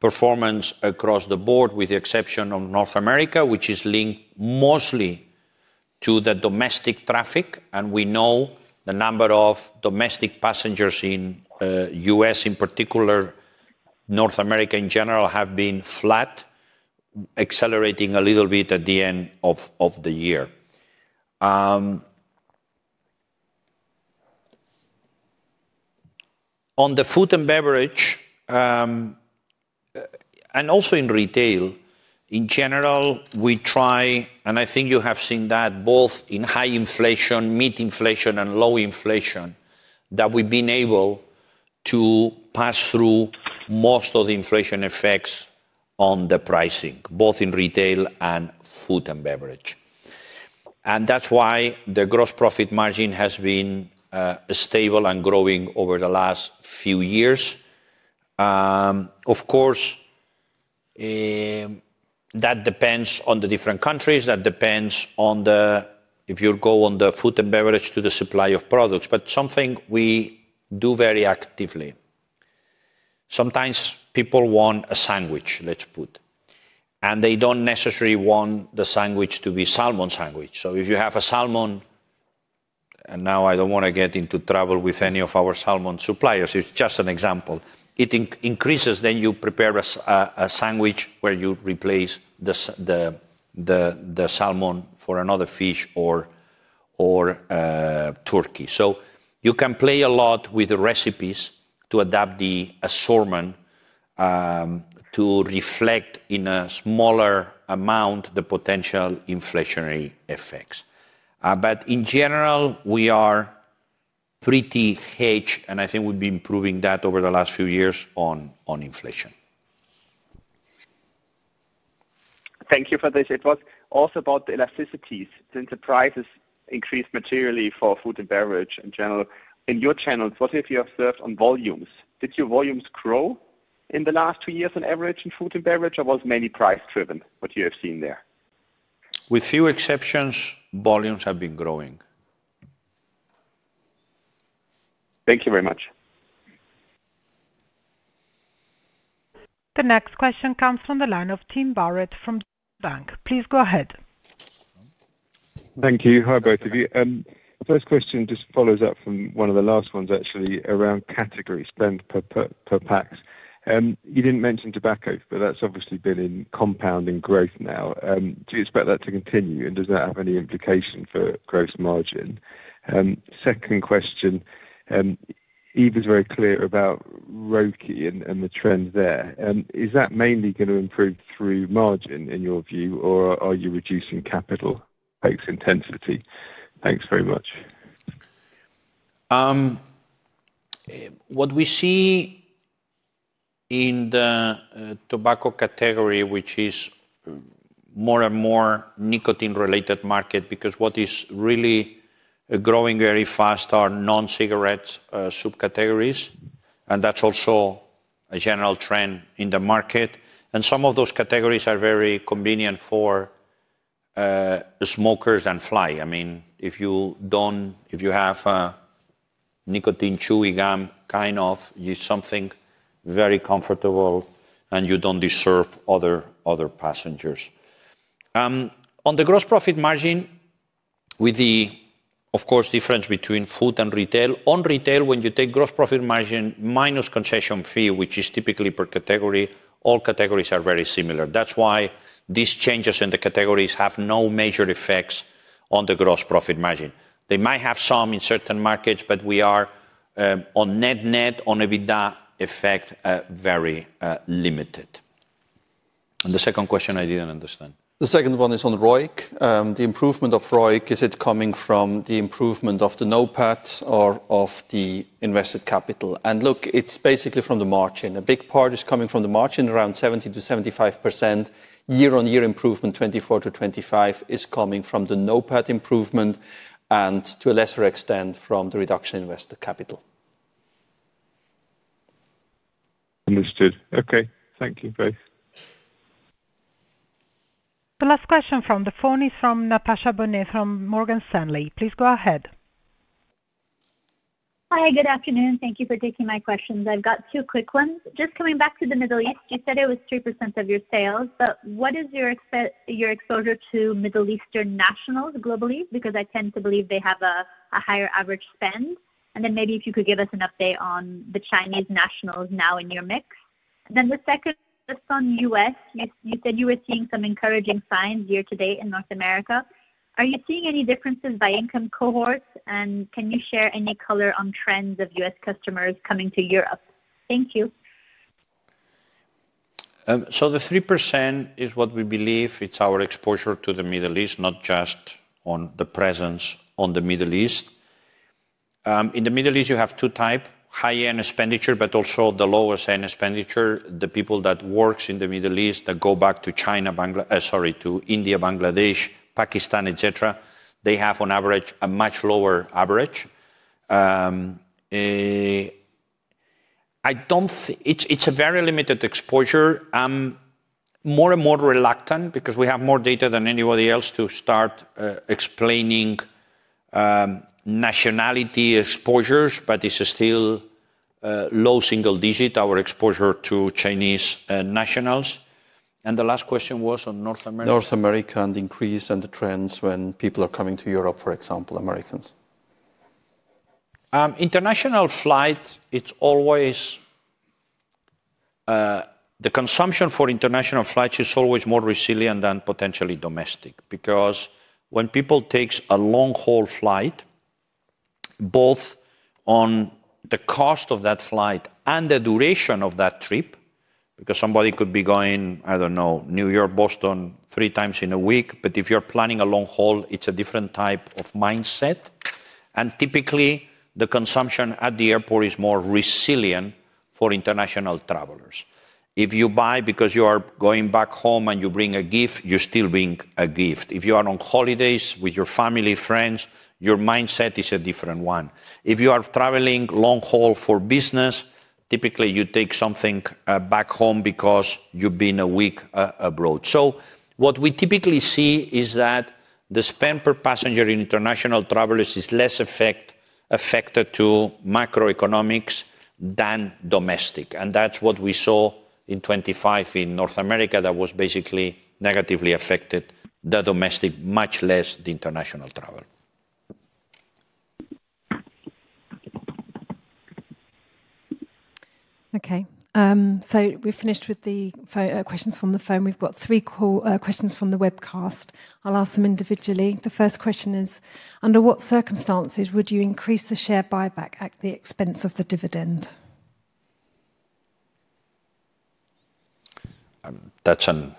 performance across the board, with the exception of North America, which is linked mostly to the domestic traffic. We know the number of domestic passengers in U.S., in particular, North America in general, have been flat, accelerating a little bit at the end of the year. On the food and beverage, and also in retail, in general, we try, and I think you have seen that both in high inflation, mid inflation and low inflation, that we've been able to pass through most of the inflation effects on the pricing, both in retail and food and beverage. That's why the gross profit margin has been stable and growing over the last few years. Of course, that depends on the different countries. It depends on if you go on the food and beverage to the supply of products, but something we do very actively. Sometimes people want a sandwich, let's put, and they don't necessarily want the sandwich to be salmon sandwich. So if you have a salmon, and now I don't wanna get into trouble with any of our salmon suppliers, it's just an example. It increases, then you prepare a sandwich where you replace the salmon for another fish or turkey. You can play a lot with the recipes to adapt the assortment to reflect in a smaller amount the potential inflationary effects. In general, we are pretty hedged, and I think we've been improving that over the last few years on inflation. Thank you for this. It was also about the elasticities. Since the prices increased materially for food and beverage in general, in your channels, what have you observed on volumes? Did your volumes grow in the last two years on average in food and beverage, or was it mainly price-driven, what you have seen there? With few exceptions, volumes have been growing. Thank you very much. The next question comes from the line of Tim Barrett from Bank. Please go ahead. Thank you. Hi, both of you. The first question just follows up from one of the last ones, actually, around category spend per pax. You didn't mention tobacco, but that's obviously been in compounding growth now. Do you expect that to continue, and does that have any implication for gross margin? Second question, Yves is very clear about ROCE and the trends there. Is that mainly gonna improve through margin in your view, or are you reducing capital base intensity? Thanks very much. What we see in the tobacco category, which is more and more nicotine-related market, because what is really growing very fast are non-cigarette subcategories, and that's also a general trend in the market. Some of those categories are very convenient for smokers who fly. I mean, if you have nicotine chewing gum, kind of, is something very comfortable, and you don't disturb other passengers. On the gross profit margin, with the, of course, difference between food and retail. On retail, when you take gross profit margin minus concession fee, which is typically per category, all categories are very similar. That's why these changes in the categories have no major effects on the gross profit margin. They might have some in certain markets, but we are on net-net on EBITDA effect very limited. The second question, I didn't understand. The second one is on ROIC. The improvement of ROIC, is it coming from the improvement of the NOPAT or of the invested capital? Look, it's basically from the margin. A big part is coming from the margin, around 70%-75%. Year-on-year improvement 2024-uncertain is coming from the NOPAT improvement and, to a lesser extent, from the reduction in invested capital. Understood. Okay. Thank you both. The last question from the phone is from Natasha Bonnet from Morgan Stanley. Please go ahead. Hi, good afternoon. Thank you for taking my questions. I've got two quick ones. Just coming back to the Middle East, you said it was 3% of your sales, but what is your exposure to Middle Eastern nationals globally? Because I tend to believe they have a higher average spend. Maybe if you could give us an update on the Chinese nationals now in your mix. The second just on U.S. You said you were seeing some encouraging signs year-to-date in North America. Are you seeing any differences by income cohorts? Can you share any color on trends of U.S. customers coming to Europe? Thank you. The 3% is what we believe it's our exposure to the Middle East, not just on the presence on the Middle East. In the Middle East, you have two type, high-end expenditure, but also the lowest-end expenditure. The people that works in the Middle East that go back to China, to India, Bangladesh, Pakistan, et cetera, they have on average a much lower average. It's a very limited exposure. I'm more and more reluctant because we have more data than anybody else to start explaining nationality exposures, but this is still low single digit, our exposure to Chinese nationals. The last question was on North America. North America and the increase and the trends when people are coming to Europe, for example, Americans. International flight, it's always the consumption for international flights is always more resilient than potentially domestic. Because when people takes a long-haul flight, both on the cost of that flight and the duration of that trip, because somebody could be going, I don't know, New York, Boston three times in a week. If you're planning a long haul, it's a different type of mindset. Typically, the consumption at the airport is more resilient for international travelers. If you buy because you are going back home and you bring a gift, you're still bring a gift. If you are on holidays with your family, friends, your mindset is a different one. If you are traveling long haul for business, typically, you take something back home because you've been a week abroad. What we typically see is that the spend per passenger in international travelers is less affected by macroeconomics than domestic. That's what we saw in uncertain in North America that was basically negatively affected the domestic, much less the international travel. Okay. We've finished with the questions from the phone. We've got three questions from the webcast. I'll ask them individually. The first question is, under what circumstances would you increase the share buyback at the expense of the dividend? That's an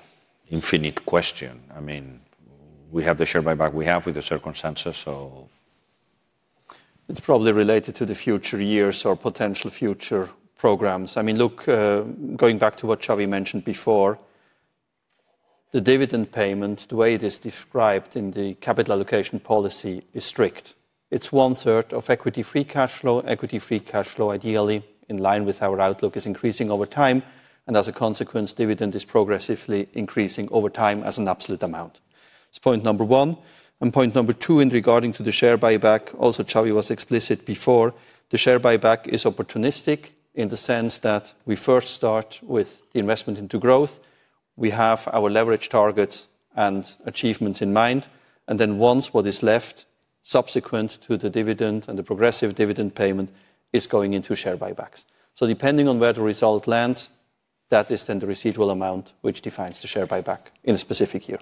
infinite question. I mean, we have the share buyback with the circumstances, so. It's probably related to the future years or potential future programs. I mean, look, going back to what Xavier mentioned before, the dividend payment, the way it is described in the capital allocation policy is strict. It's one-third of equity free cash flow. Equity Free Cash Flow, ideally in line with our outlook, is increasing over time, and as a consequence, dividend is progressively increasing over time as an absolute amount. It's point number one. Point number two regarding the share buyback, also Xavier was explicit before, the share buyback is opportunistic in the sense that we first start with the investment into growth. We have our leverage targets and achievements in mind, and then once what is left subsequent to the dividend and the progressive dividend payment is going into share buybacks. Depending on where the result lands, that is then the residual amount which defines the share buyback in a specific year.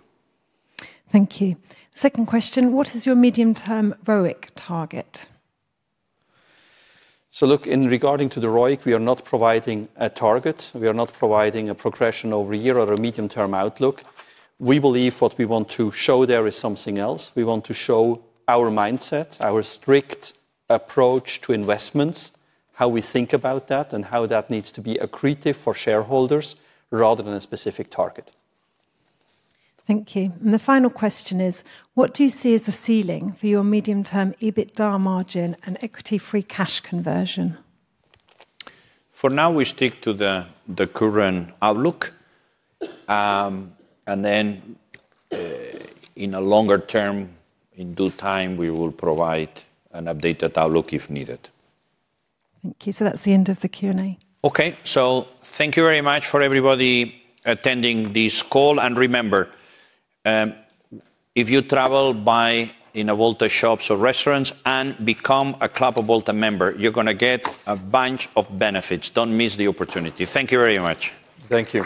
Thank you. Second question: what is your medium-term ROIC target? Look, in regard to the ROIC, we are not providing a target. We are not providing a progression over a year or a medium-term outlook. We believe what we want to show there is something else. We want to show our mindset, our strict approach to investments, how we think about that, and how that needs to be accretive for shareholders rather than a specific target. Thank you. The final question is: what do you see as the ceiling for your medium-term EBITDA margin and Equity Free Cash Conversion? For now, we stick to the current outlook. In a longer term, in due time, we will provide an updated outlook if needed. Thank you. That's the end of the Q&A. Okay. Thank you very much for everybody attending this call. Remember, if you travel, buy in Avolta shops or restaurants and become a Club Avolta member, you're gonna get a bunch of benefits. Don't miss the opportunity. Thank you very much. Thank you.